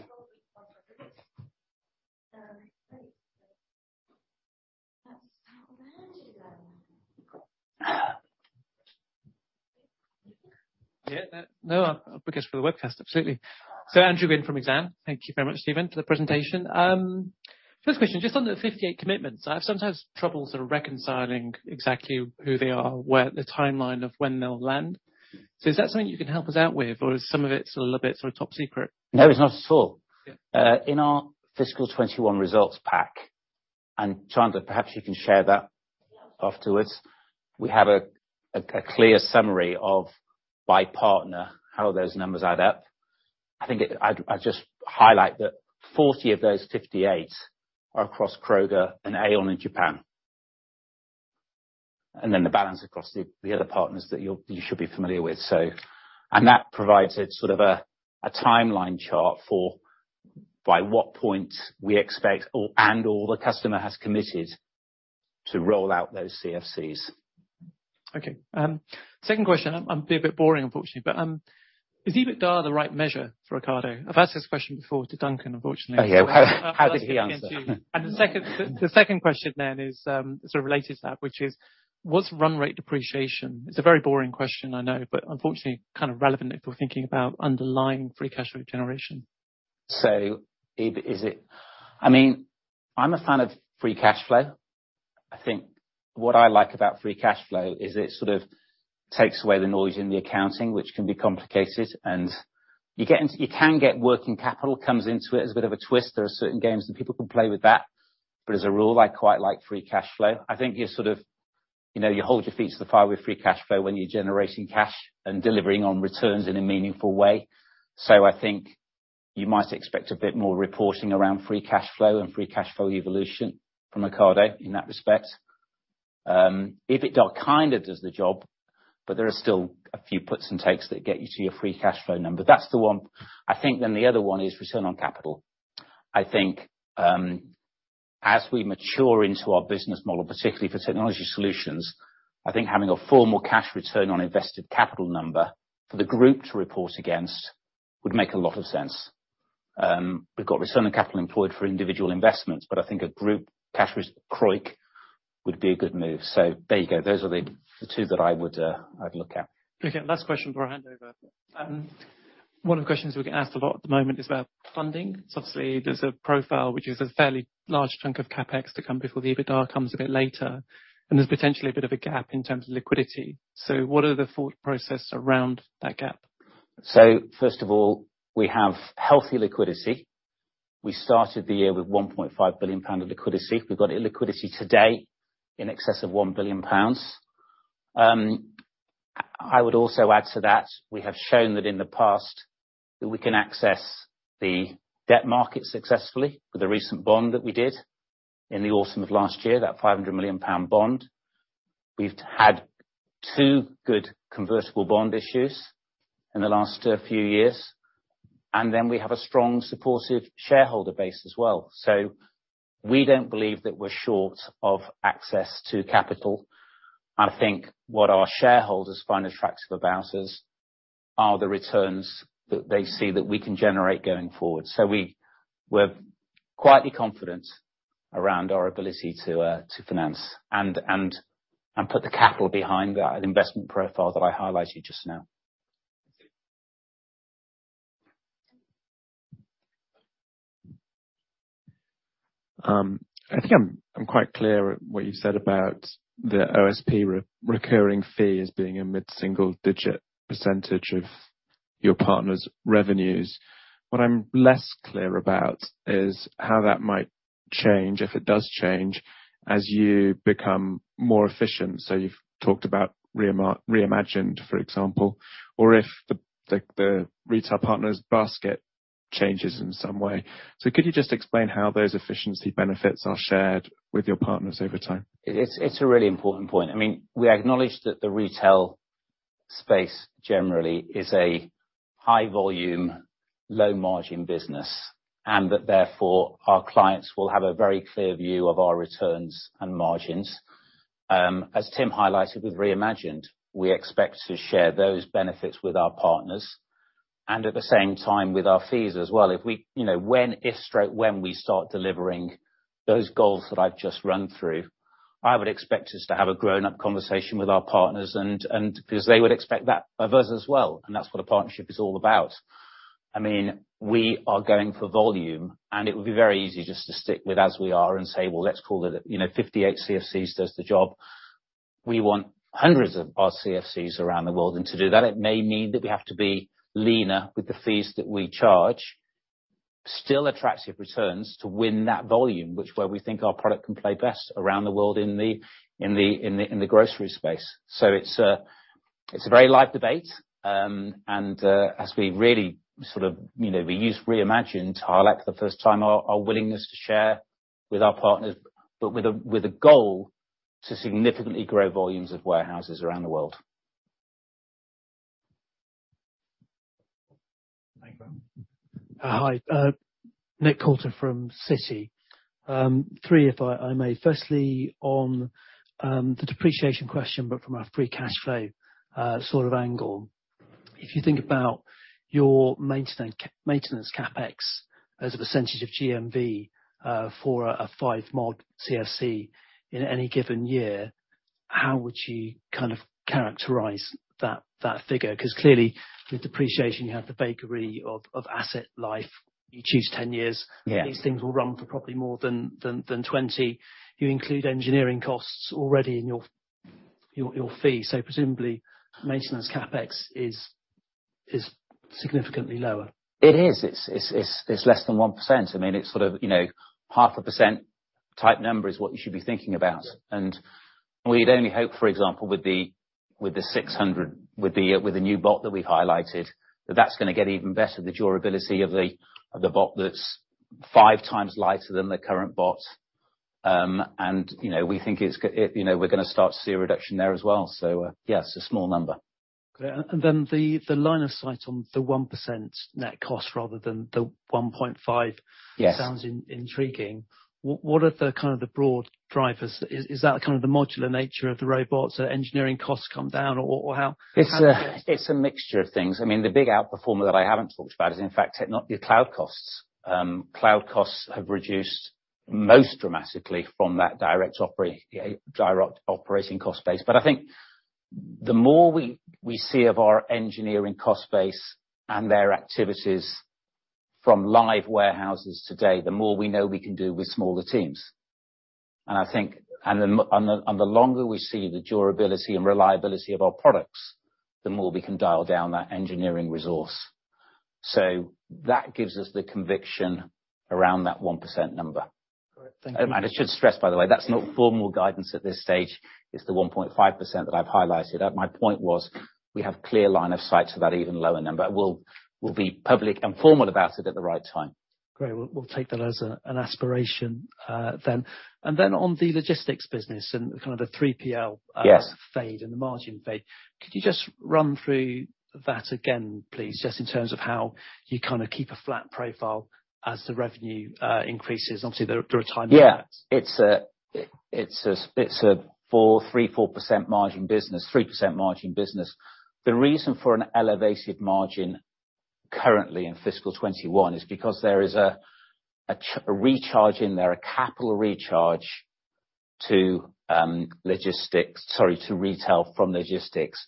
Yeah. No, I'll speak up for the webcast. Absolutely. Andrew Gwynn from Exane. Thank you very much, Stephen Daintith, for the presentation. First question, just on the 58 commitments, I have sometimes trouble sort of reconciling exactly who they are, where the timeline of when they'll land. Is that something you can help us out with, or is some of it a little bit sort of top secret? No, it's not at all. Yeah. In our fiscal 21 results pack, Chandler, perhaps you can share that. Yeah. Afterwards, we have a clear summary by partner of how those numbers add up. I think I'd just highlight that 40 of those 58 are across Kroger and Aeon in Japan. Then the balance across the other partners that you should be familiar with. That provides a sort of timeline chart for by what point we expect or and/or the customer has committed to roll out those CFCs. Okay. Second question. I'm being a bit boring, unfortunately, but is EBITDA the right measure for Ocado? I've asked this question before to Duncan, unfortunately. Oh, yeah. How did he answer? The second question then is sort of related to that, which is what's run rate depreciation? It's a very boring question, I know, but unfortunately kind of relevant if we're thinking about underlying free cash flow generation. I mean, I'm a fan of free cash flow. I think what I like about free cash flow is it sort of takes away the noise in the accounting, which can be complicated. You can get working capital coming into it as a bit of a twist. There are certain games that people can play with that. As a rule, I quite like free cash flow. I think you sort of, you know, you hold your feet to the fire with free cash flow when you're generating cash and delivering on returns in a meaningful way. I think you might expect a bit more reporting around free cash flow and free cash flow evolution from Ocado in that respect. EBITDA kind of does the job, but there are still a few puts and takes that get you to your free cash flow number. That's the one. I think then the other one is return on capital. I think, as we mature into our business model, particularly for Technology Solutions, I think having a formal cash return on invested capital number for the group to report against would make a lot of sense. We've got return on capital employed for individual investments, but I think a group cash ROIC would be a good move. There you go. Those are the two that I'd look at. Okay. Last question before I hand over. One of the questions we get asked a lot at the moment is about funding. Obviously there's a profile which is a fairly large chunk of CapEx to come before the EBITDA comes a bit later, and there's potentially a bit of a gap in terms of liquidity. What are the thought process around that gap? First of all, we have healthy liquidity. We started the year with 1.5 billion pound of liquidity. We've got liquidity today in excess of 1 billion pounds. I would also add to that, we have shown that in the past we can access the debt market successfully with the recent bond that we did in the autumn of last year, that 500 million pound bond. We've had two good convertible bond issues in the last few years, and then we have a strong, supportive shareholder base as well. We don't believe that we're short of access to capital. I think what our shareholders find attractive about us are the returns that they see that we can generate going forward. We're quietly confident around our ability to finance and put the capital behind the investment profile that I highlighted just now. I think I'm quite clear about what you said about the OSP recurring fee as being a mid-single digit percentage of your partner's revenues. What I'm less clear about is how that might change, if it does change, as you become more efficient. You've talked about Re:Imagined, for example, or if the retail partner's basket changes in some way. Could you just explain how those efficiency benefits are shared with your partners over time? It's a really important point. I mean, we acknowledge that the retail space generally is a high volume, low margin business, and that therefore our clients will have a very clear view of our returns and margins. As Tim highlighted with Re:Imagined, we expect to share those benefits with our partners and at the same time with our fees as well. If we, you know, when we start delivering those goals that I've just run through, I would expect us to have a grown-up conversation with our partners and because they would expect that of us as well, and that's what a partnership is all about. I mean, we are going for volume, and it would be very easy just to stick with as we are and say, "Well, let's call it, you know, 58 CFCs does the job." We want hundreds of our CFCs around the world, and to do that, it may mean that we have to be leaner with the fees that we charge. Still attractive returns to win that volume, which where we think our product can play best around the world in the grocery space. So it's a very live debate. And as we really sort of, you know, we use reimagined to highlight for the first time our willingness to share with our partners, but with a goal to significantly grow volumes of warehouses around the world. Thank you. Hi, Nick Coulter from Citi. Three, if I may. Firstly, on the depreciation question, but from a free cash flow sort of angle. If you think about your maintenance CapEx as a percentage of GMV, for a 5 mod CFC in any given year, how would you kind of characterize that figure? 'Cause clearly with depreciation, you have the back end of asset life. You choose 10 years. Yeah. These things will run for probably more than 20. You include engineering costs already in your fee. Presumably maintenance CapEx is significantly lower. It is. It's less than 1%. I mean, it's sort of, you know, 0.5% type number is what you should be thinking about. We'd only hope, for example, with the 600, with the new bot that we highlighted, that's gonna get even better, the durability of the bot that's 5x lighter than the current bot. And, you know, we think it's, you know, we're gonna start to see a reduction there as well. Yes, a small number. Okay. The line of sight on the 1% net cost rather than the 1.5- Yes. Sounds intriguing. What are the kind of the broad drivers? Is that kind of the modular nature of the robots? Are engineering costs come down? Or how is this? It's a mixture of things. I mean, the big outperformer that I haven't talked about is, in fact, the cloud costs. Cloud costs have reduced most dramatically from that direct operating cost base. But I think the more we see of our engineering cost base and their activities from live warehouses today, the more we know we can do with smaller teams. I think the longer we see the durability and reliability of our products, the more we can dial down that engineering resource. That gives us the conviction around that 1% number. Correct. Thank you. I should stress, by the way, that's not formal guidance at this stage. It's the 1.5% that I've highlighted. My point was, we have clear line of sight to that even lower number. We'll be public and formal about it at the right time. Great. We'll take that as an aspiration, then. On the logistics business and kind of the 3PL- Yes. Fade and the margin fade. Could you just run through that again, please, just in terms of how you kinda keep a flat profile as the revenue increases? Obviously, there are timing impacts. Yeah. It's a 4.34% margin business, 3% margin business. The reason for an elevated margin currently in fiscal 2021 is because there is a recharge in there, a capital recharge to retail from logistics,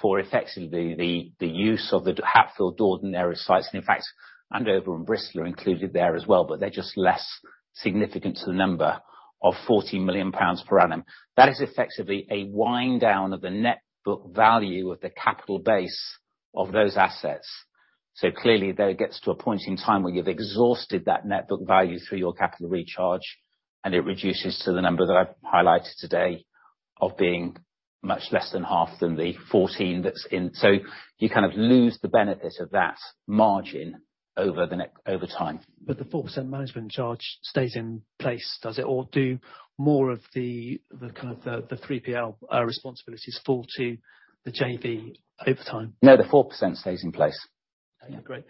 for effectively the use of the Hatfield, Dordon area sites. In fact, Andover and Bristol are included there as well, but they're just less significant to the number of 40 million pounds per annum. That is effectively a wind down of the net book value of the capital base of those assets. Clearly, that gets to a point in time where you've exhausted that net book value through your capital recharge, and it reduces to the number that I've highlighted today of being much less than half of the 14 that's in. You kind of lose the benefit of that margin over time. The 4% management charge stays in place, does it, or do more of the kind of 3PL responsibilities fall to the JV over time? No, the 4% stays in place. Okay, great.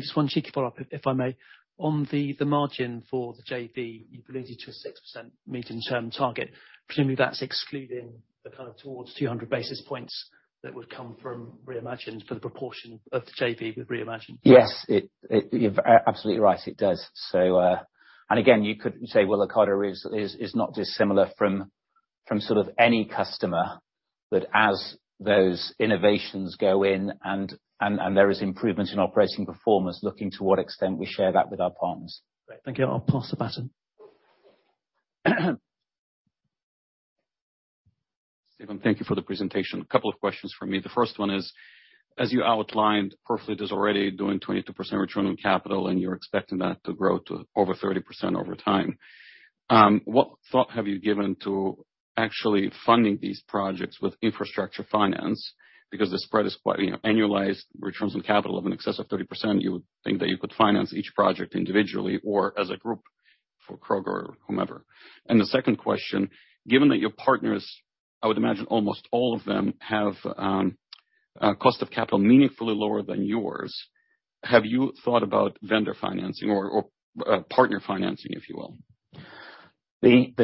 Just one cheeky follow-up, if I may. On the margin for the JV, you've alluded to a 6% medium-term target. Presumably, that's excluding the kind of toward 200 basis points that would come from Reimagined for the proportion of the JV with Reimagined. Yes, it. You're absolutely right. It does. You could say, well, Ocado is not dissimilar from sort of any customer. As those innovations go in and there is improvement in operating performance, looking to what extent we share that with our partners. Great. Thank you. I'll pass the baton. Stephen, thank you for the presentation. A couple of questions from me. The first one is, as you outlined, Profit is already doing 22% return on capital, and you're expecting that to grow to over 30% over time. What thought have you given to actually funding these projects with infrastructure finance? Because the spread is quite, you know, annualized returns on capital of an excess of 30%, you would think that you could finance each project individually or as a group for Kroger or whomever. The second question, given that your partners, I would imagine almost all of them, have a cost of capital meaningfully lower than yours, have you thought about vendor financing or partner financing, if you will? Thank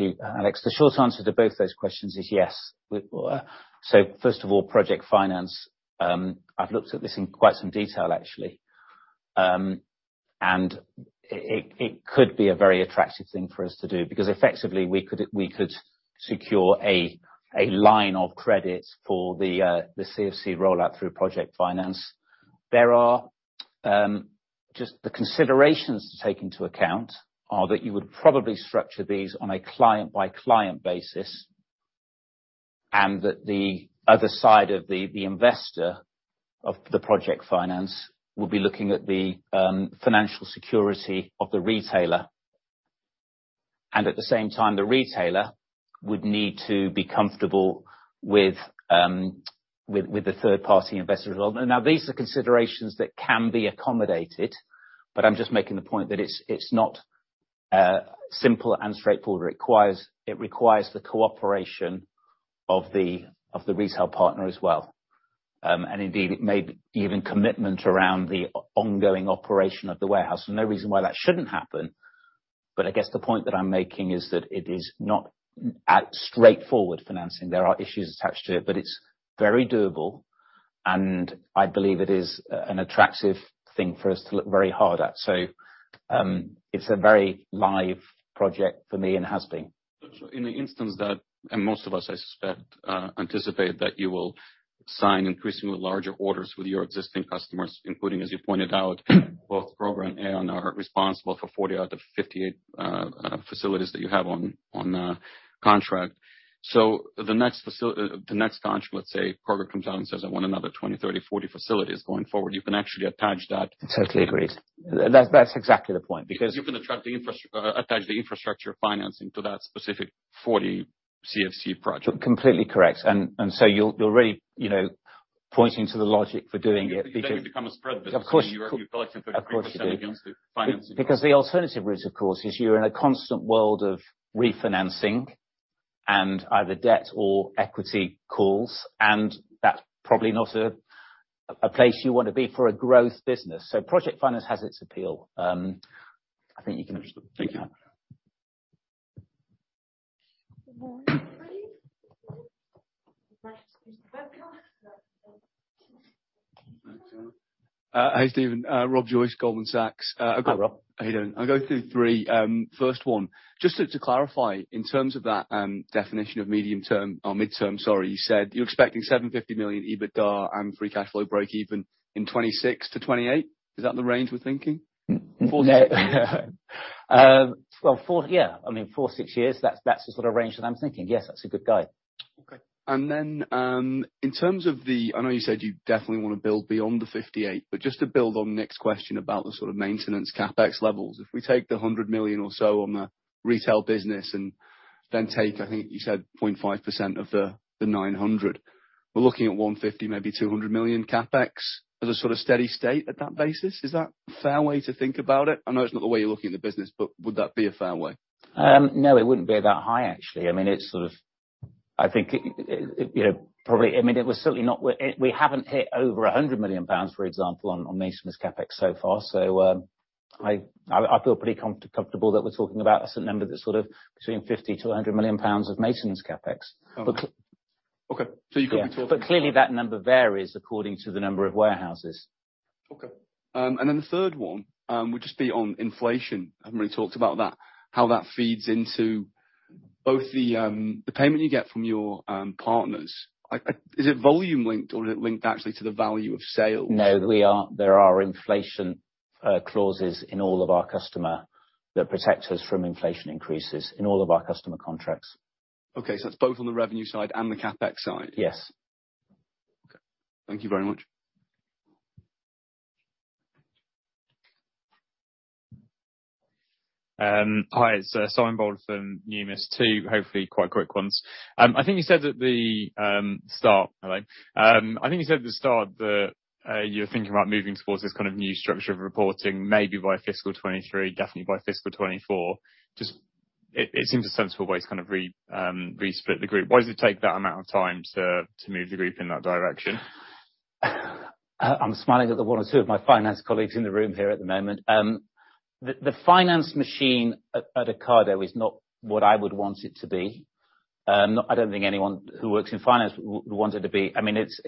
you, Alex. The short answer to both those questions is yes. First of all, project finance, I've looked at this in quite some detail, actually. It could be a very attractive thing for us to do, because effectively, we could secure a line of credit for the CFC rollout through project finance. There are just the considerations to take into account are that you would probably structure these on a client-by-client basis, and that the other side of the investor of the project finance would be looking at the financial security of the retailer. At the same time, the retailer would need to be comfortable with the third party investor involvement. These are considerations that can be accommodated, but I'm just making the point that it's not simple and straightforward. It requires the cooperation of the retail partner as well. Indeed, it may be even commitment around the ongoing operation of the warehouse. No reason why that shouldn't happen, but I guess the point that I'm making is that it is not straightforward financing. There are issues attached to it, but it's very doable, and I believe it is an attractive thing for us to look very hard at. It's a very live project for me and has been. In the instance that most of us, I suspect, anticipate that you will sign increasingly larger orders with your existing customers, including, as you pointed out, both Kroger and Aeon are responsible for 40 out of 58 facilities that you have on contract. The next tranche, let's say Kroger comes out and says, "I want another 20, 30, 40 facilities going forward," you can actually attach that. Totally agreed. That's exactly the point because. You can attach the infrastructure financing to that specific 40 CFC project. Completely correct. You'll really, you know. Pointing to the logic for doing it because. You become a spread business. Of course. You're collecting 33% against it. Of course you do. Because the alternative route, of course, is you're in a constant world of refinancing and either debt or equity calls, and that's probably not a place you wanna be for a growth business. Project finance has its appeal. I think you can understand. Thank you. Good morning, everybody. Hi, Stephen. Rob Joyce, Goldman Sachs. I've got- Hi, Rob. How are you doing? I'll go through three. First one, just to clarify in terms of that definition of medium term or midterm, sorry, you said you're expecting 750 million EBITDA and free cash flow breakeven in 2026-2028. Is that the range we're thinking? No. Well, yeah, I mean, 4-6 years, that's the sort of range that I'm thinking. Yes, that's a good guide. Okay. In terms of the, I know you said you definitely wanna build beyond the 58, but just to build on Nick's question about the sort of maintenance CapEx levels. If we take the 100 million or so on the retail business and then take, I think you said 0.5% of the 900. We're looking at 150 million, maybe 200 million CapEx as a sort of steady state at that basis. Is that a fair way to think about it? I know it's not the way you're looking at the business, but would that be a fair way? No, it wouldn't be that high, actually. I mean, it's sort of I think it you know probably I mean, it was certainly not. We haven't hit over 100 million pounds, for example, on maintenance CapEx so far. So, I feel pretty comfortable that we're talking about a certain number that's sort of between 50 million-100 million pounds of maintenance CapEx. Oh, okay. Clearly that number varies according to the number of warehouses. Okay. The third one would just be on inflation. Haven't really talked about that, how that feeds into both the payment you get from your partners. Is it volume linked or is it linked actually to the value of sales? No, there are inflation clauses in all of our customer contracts that protect us from inflation increases in all of our customer contracts. Okay. It's both on the revenue side and the CapEx side. Yes. Okay. Thank you very much. Hi. It's Simon Bowler from Numis. Two hopefully quite quick ones. I think you said at the start that you're thinking about moving towards this kind of new structure of reporting, maybe by fiscal 2023, definitely by fiscal 2024. It seems a sensible way to kind of resplit the group. Why does it take that amount of time to move the group in that direction? I'm smiling at the one or two of my finance colleagues in the room here at the moment. The finance machine at Ocado is not what I would want it to be. I don't think anyone who works in finance would want it to be. I mean, it's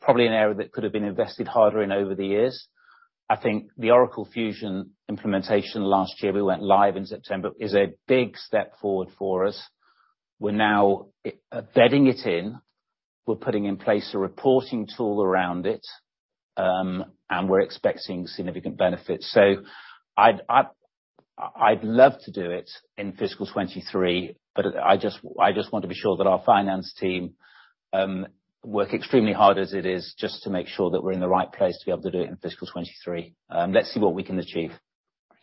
probably an area that could have been invested harder in over the years. I think the Oracle Fusion implementation last year, we went live in September, is a big step forward for us. We're now bedding it in. We're putting in place a reporting tool around it, and we're expecting significant benefits. I'd love to do it in fiscal 2023, but I just want to be sure that our finance team work extremely hard as it is just to make sure that we're in the right place to be able to do it in fiscal 2023. Let's see what we can achieve.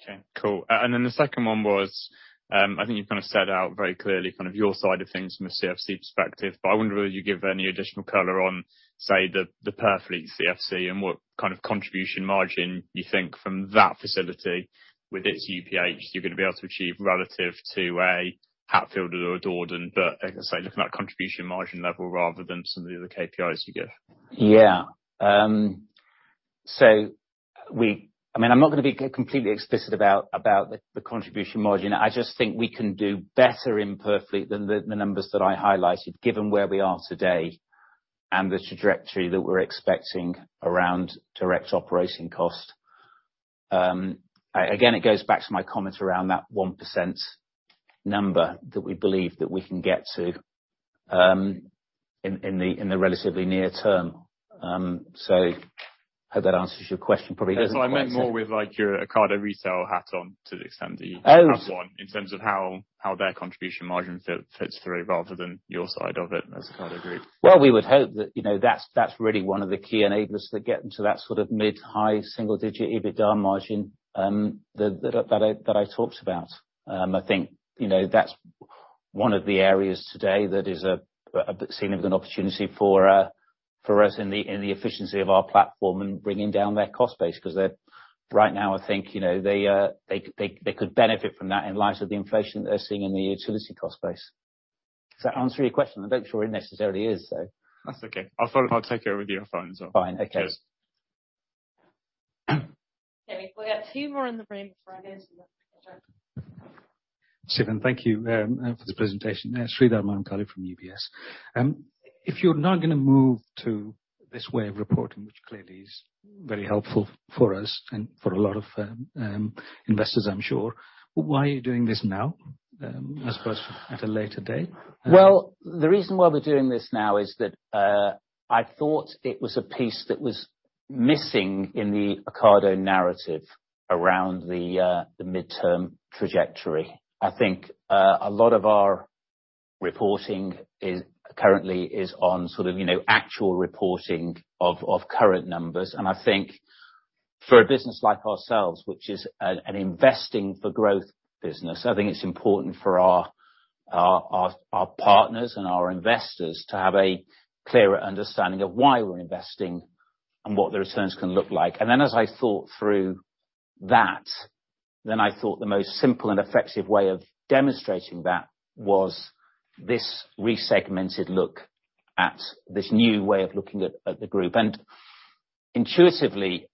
Okay, cool. Then the second one was, I think you've kind of set out very clearly kind of your side of things from a CFC perspective, but I wonder whether you'd give any additional color on, say, the Purfleet CFC and what kind of contribution margin you think from that facility with its UPH you're gonna be able to achieve relative to a Hatfield or a Dordon. Like I say, looking at contribution margin level rather than some of the other KPIs you give. I mean, I'm not gonna be completely explicit about the contribution margin. I just think we can do better in Perfect than the numbers that I highlighted, given where we are today and the trajectory that we're expecting around direct operating cost. Again, it goes back to my comment around that 1% number that we believe that we can get to, in the relatively near term. Hope that answers your question, probably doesn't. That's why I meant more with, like, your Ocado Retail hat on, to the extent that you have one. Oh. In terms of how their contribution margin fits through rather than your side of it as Ocado Group. Well, we would hope that, you know, that's really one of the key enablers to get into that sort of mid-high single digit EBITDA margin, that I talked about. I think, you know, that's one of the areas today that is a significant opportunity for us in the efficiency of our platform and bringing down their cost base 'cause they're right now I think, you know, they could benefit from that in light of the inflation they're seeing in the utility cost base. Does that answer your question? I'm not sure it necessarily is, so. That's okay. I'll follow up. I'll take it with your finance. Fine. Okay. Cheers. Okay. We've got 2 more in the room before I go to..... Stephen, thank you for the presentation. Sreedhar Mahamkali from UBS. If you're not gonna move to this way of reporting, which clearly is very helpful for us and for a lot of investors, I'm sure, why are you doing this now, as opposed to at a later date? Well, the reason why we're doing this now is that, I thought it was a piece that was missing in the Ocado narrative around the midterm trajectory. I think, a lot of our reporting is currently on sort of, you know, actual reporting of current numbers, and I think. For a business like ourselves, which is an investing for growth business, I think it's important for our partners and our investors to have a clearer understanding of why we're investing and what the returns can look like. As I thought through that, I thought the most simple and effective way of demonstrating that was this resegmented look at, this new way of looking at the group. Intuitively,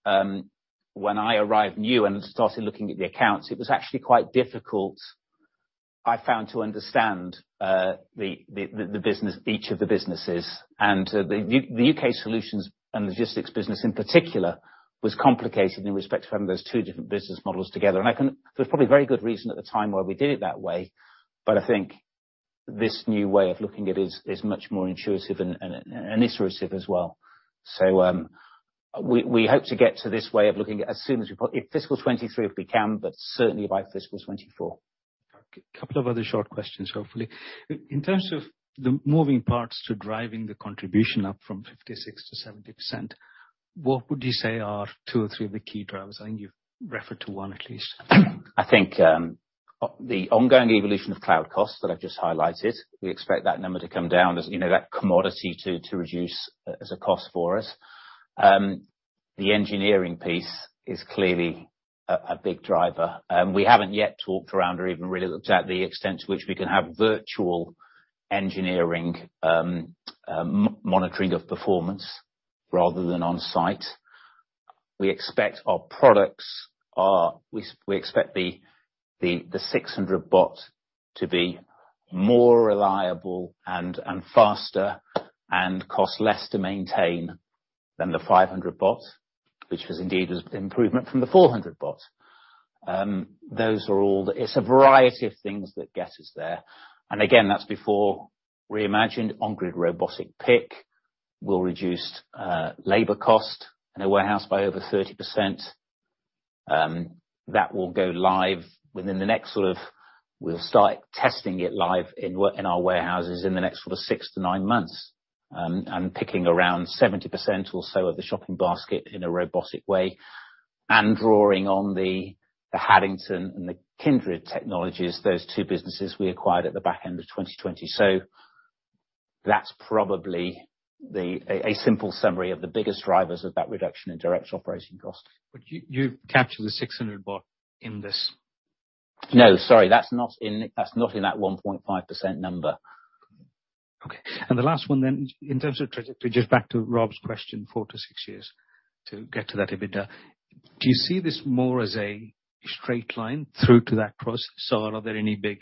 when I arrived new and started looking at the accounts, it was actually quite difficult, I found, to understand the business, each of the businesses. The U.K. solutions and logistics business in particular, was complicated in respect to having those two different business models together. There's probably very good reason at the time why we did it that way, but I think this new way of looking at is much more intuitive and iterative as well. We hope to get to this way of looking at as soon as we fiscal 2023 if we can, but certainly by fiscal 2024. A couple of other short questions, hopefully. In terms of the moving parts to driving the contribution up from 56% to 70%, what would you say are two or three of the key drivers? I think you've referred to one at least. I think, the ongoing evolution of cloud costs that I've just highlighted, we expect that number to come down as, you know, that commodity to reduce as a cost for us. The engineering piece is clearly a big driver. We haven't yet talked around or even really looked at the extent to which we can have virtual engineering, monitoring of performance rather than on site. We expect the 600 bot to be more reliable and faster and cost less to maintain than the 500 bot, which was indeed improvement from the 400 bot. Those are all the. It's a variety of things that get us there. Again, that's before Re:Imagined on-grid robotic pick will reduce labor cost in a warehouse by over 30%. That will go live within the next sort of. We'll start testing it live in our warehouses in the next sort of six-nine months, and picking around 70% or so of the shopping basket in a robotic way, and drawing on the Haddington and the Kindred technologies, those two businesses we acquired at the back end of 2020. That's probably a simple summary of the biggest drivers of that reduction in direct operating cost. You, you've captured the 600 series bot in this? No, sorry. That's not in that 1.5% number. Okay. The last one then, in terms of trajectory, just back to Rob's question, 4-6 years to get to that EBITDA. Do you see this more as a straight line through to that cross? Are there any big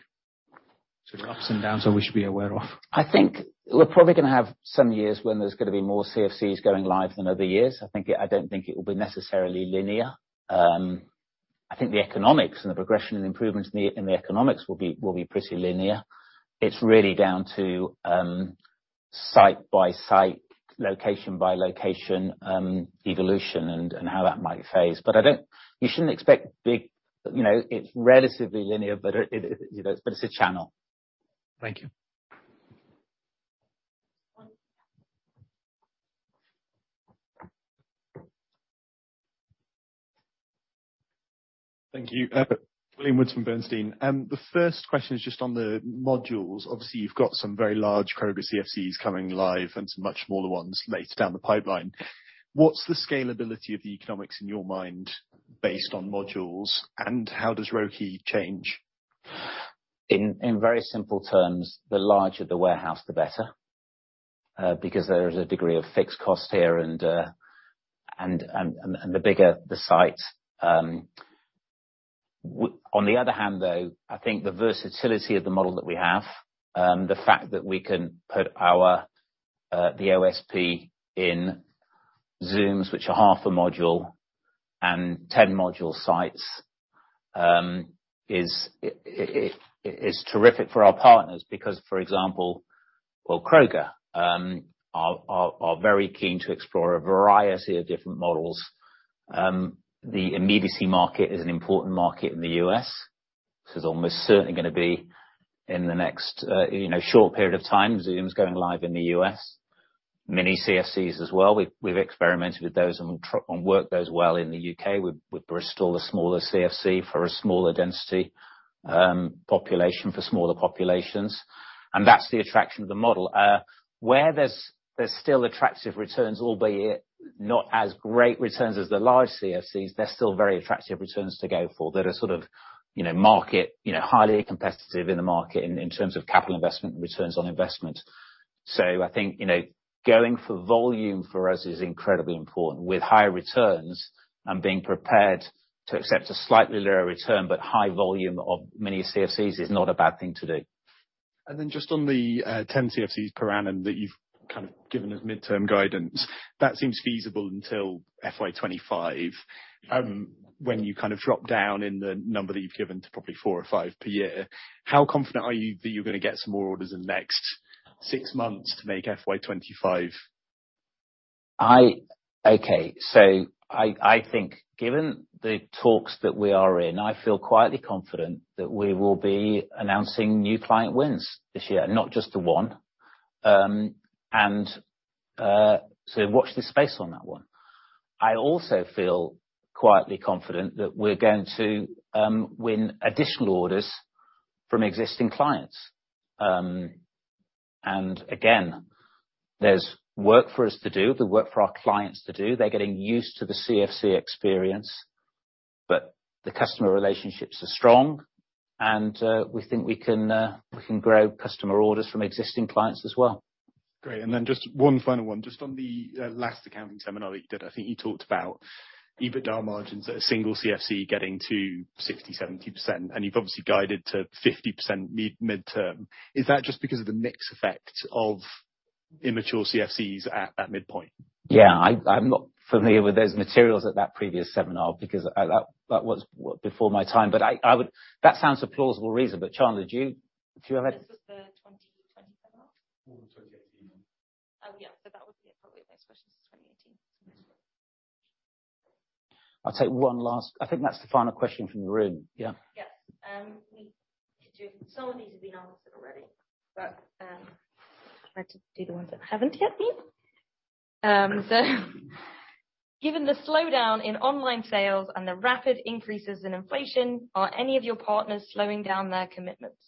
sort of ups and downs that we should be aware of? I think we're probably gonna have some years when there's gonna be more CFCs going live than other years. I don't think it will be necessarily linear. I think the economics and the progression and improvements in the economics will be pretty linear. It's really down to site by site, location by location, evolution and how that might phase. You shouldn't expect big. You know, it's relatively linear, but it, you know, but it's a channel. Thank you. Thank you. William Woods from Bernstein. The first question is just on the modules. Obviously, you've got some very large Kroger CFCs coming live and some much smaller ones later down the pipeline. What's the scalability of the economics in your mind based on modules, and how does ROCE change? In very simple terms, the larger the warehouse, the better, because there is a degree of fixed cost here and the bigger the site. On the other hand, though, I think the versatility of the model that we have, the fact that we can put our the OSP in Zooms, which are half a module and 10 module sites, is terrific for our partners because, for example, well, Kroger are very keen to explore a variety of different models. The immediacy market is an important market in the U.S. This is almost certainly gonna be in the next, you know, short period of time, Zoom's going live in the U.S. Many CFCs as well. We've experimented with those and worked those well in the U.K. with Bristol, a smaller CFC for a smaller density, population for smaller populations. That's the attraction of the model. Where there's still attractive returns, albeit not as great returns as the large CFCs, they're still very attractive returns to go for. They're a sort of, you know, market, you know, highly competitive in the market in terms of capital investment and returns on investment. I think, you know, going for volume for us is incredibly important with high returns and being prepared to accept a slightly lower return, but high volume of many CFCs is not a bad thing to do. Just on the 10 CFCs per annum that you've kind of given as midterm guidance, that seems feasible until FY 2025, when you kind of drop down in the number that you've given to probably 4 or 5 per year. How confident are you that you're gonna get some more orders in the next six months to make FY 2025? Okay. I think given the talks that we are in, I feel quietly confident that we will be announcing new client wins this year, not just the one. Watch this space on that one. I also feel quietly confident that we're going to win additional orders from existing clients. Again, there's work for us to do, the work for our clients to do. They're getting used to the CFC experience, but the customer relationships are strong and we think we can grow customer orders from existing clients as well. Great. Just one final one. Just on the last accounting seminar that you did, I think you talked about EBITDA margins at a single CFC getting to 60%-70%, and you've obviously guided to 50% midterm. Is that just because of the mix effect of immature CFCs at midpoint? Yeah. I'm not familiar with those materials at that previous seminar because that was before my time. I would. That sounds a plausible reason. Chandler, do you have a- This was the 2020 seminar? More than the 2018 one. Oh yeah, that would be it, probably a nice question since 2018. I think that's the final question from the room. Yeah. Yes. Some of these have been answered already, but try to do the ones that haven't yet been. Given the slowdown in online sales and the rapid increases in inflation, are any of your partners slowing down their commitments?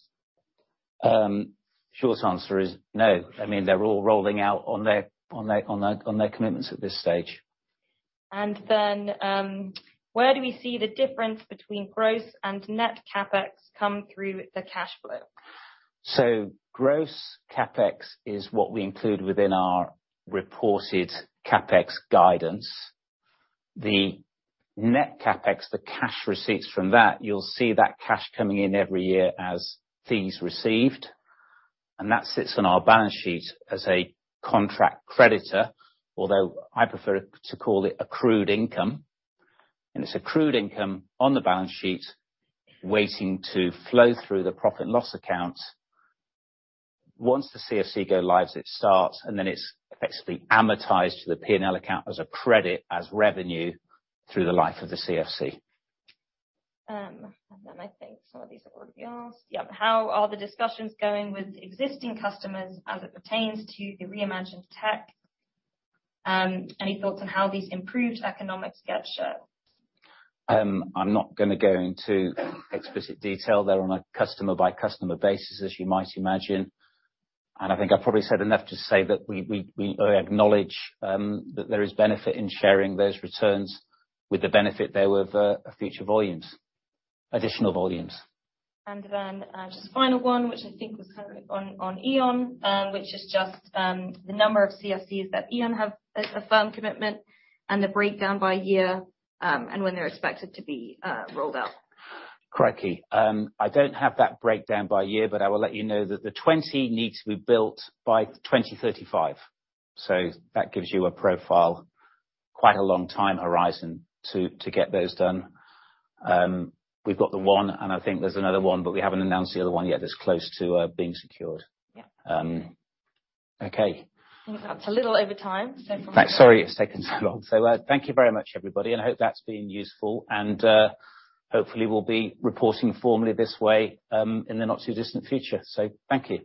Short answer is no. I mean, they're all rolling out on their commitments at this stage. Where do we see the difference between gross and net CapEx come through the cash flow? Gross CapEx is what we include within our reported CapEx guidance. The net CapEx, the cash receipts from that, you'll see that cash coming in every year as fees received, and that sits on our balance sheet as a contract creditor, although I prefer to call it accrued income. It's accrued income on the balance sheet waiting to flow through the profit and loss account. Once the CFCs go live, it starts, and then it's effectively amortized to the P&L account as a credit, as revenue through the life of the CFC. I think some of these have already been asked. Yeah. How are the discussions going with existing customers as it pertains to the Re:Imagined tech? Any thoughts on how these improved economics get shared? I'm not gonna go into explicit detail. They're on a customer by customer basis, as you might imagine. I think I've probably said enough to say that we acknowledge that there is benefit in sharing those returns with the benefit there with future volumes, additional volumes. Just final one, which I think was kind of on Aeon, which is just the number of CFCs that Aeon have a firm commitment and the breakdown by year, and when they're expected to be rolled out. Crikey. I don't have that breakdown by year, but I will let you know that the 20 needs to be built by 2035. That gives you a profile, quite a long time horizon to get those done. We've got the one, and I think there's another one, but we haven't announced the other one yet that's close to being secured. Yeah. Okay. I think that's a little over time. Sorry it's taken so long. Thank you very much, everybody, and I hope that's been useful. Hopefully we'll be reporting formally this way, in the not too distant future. Thank you.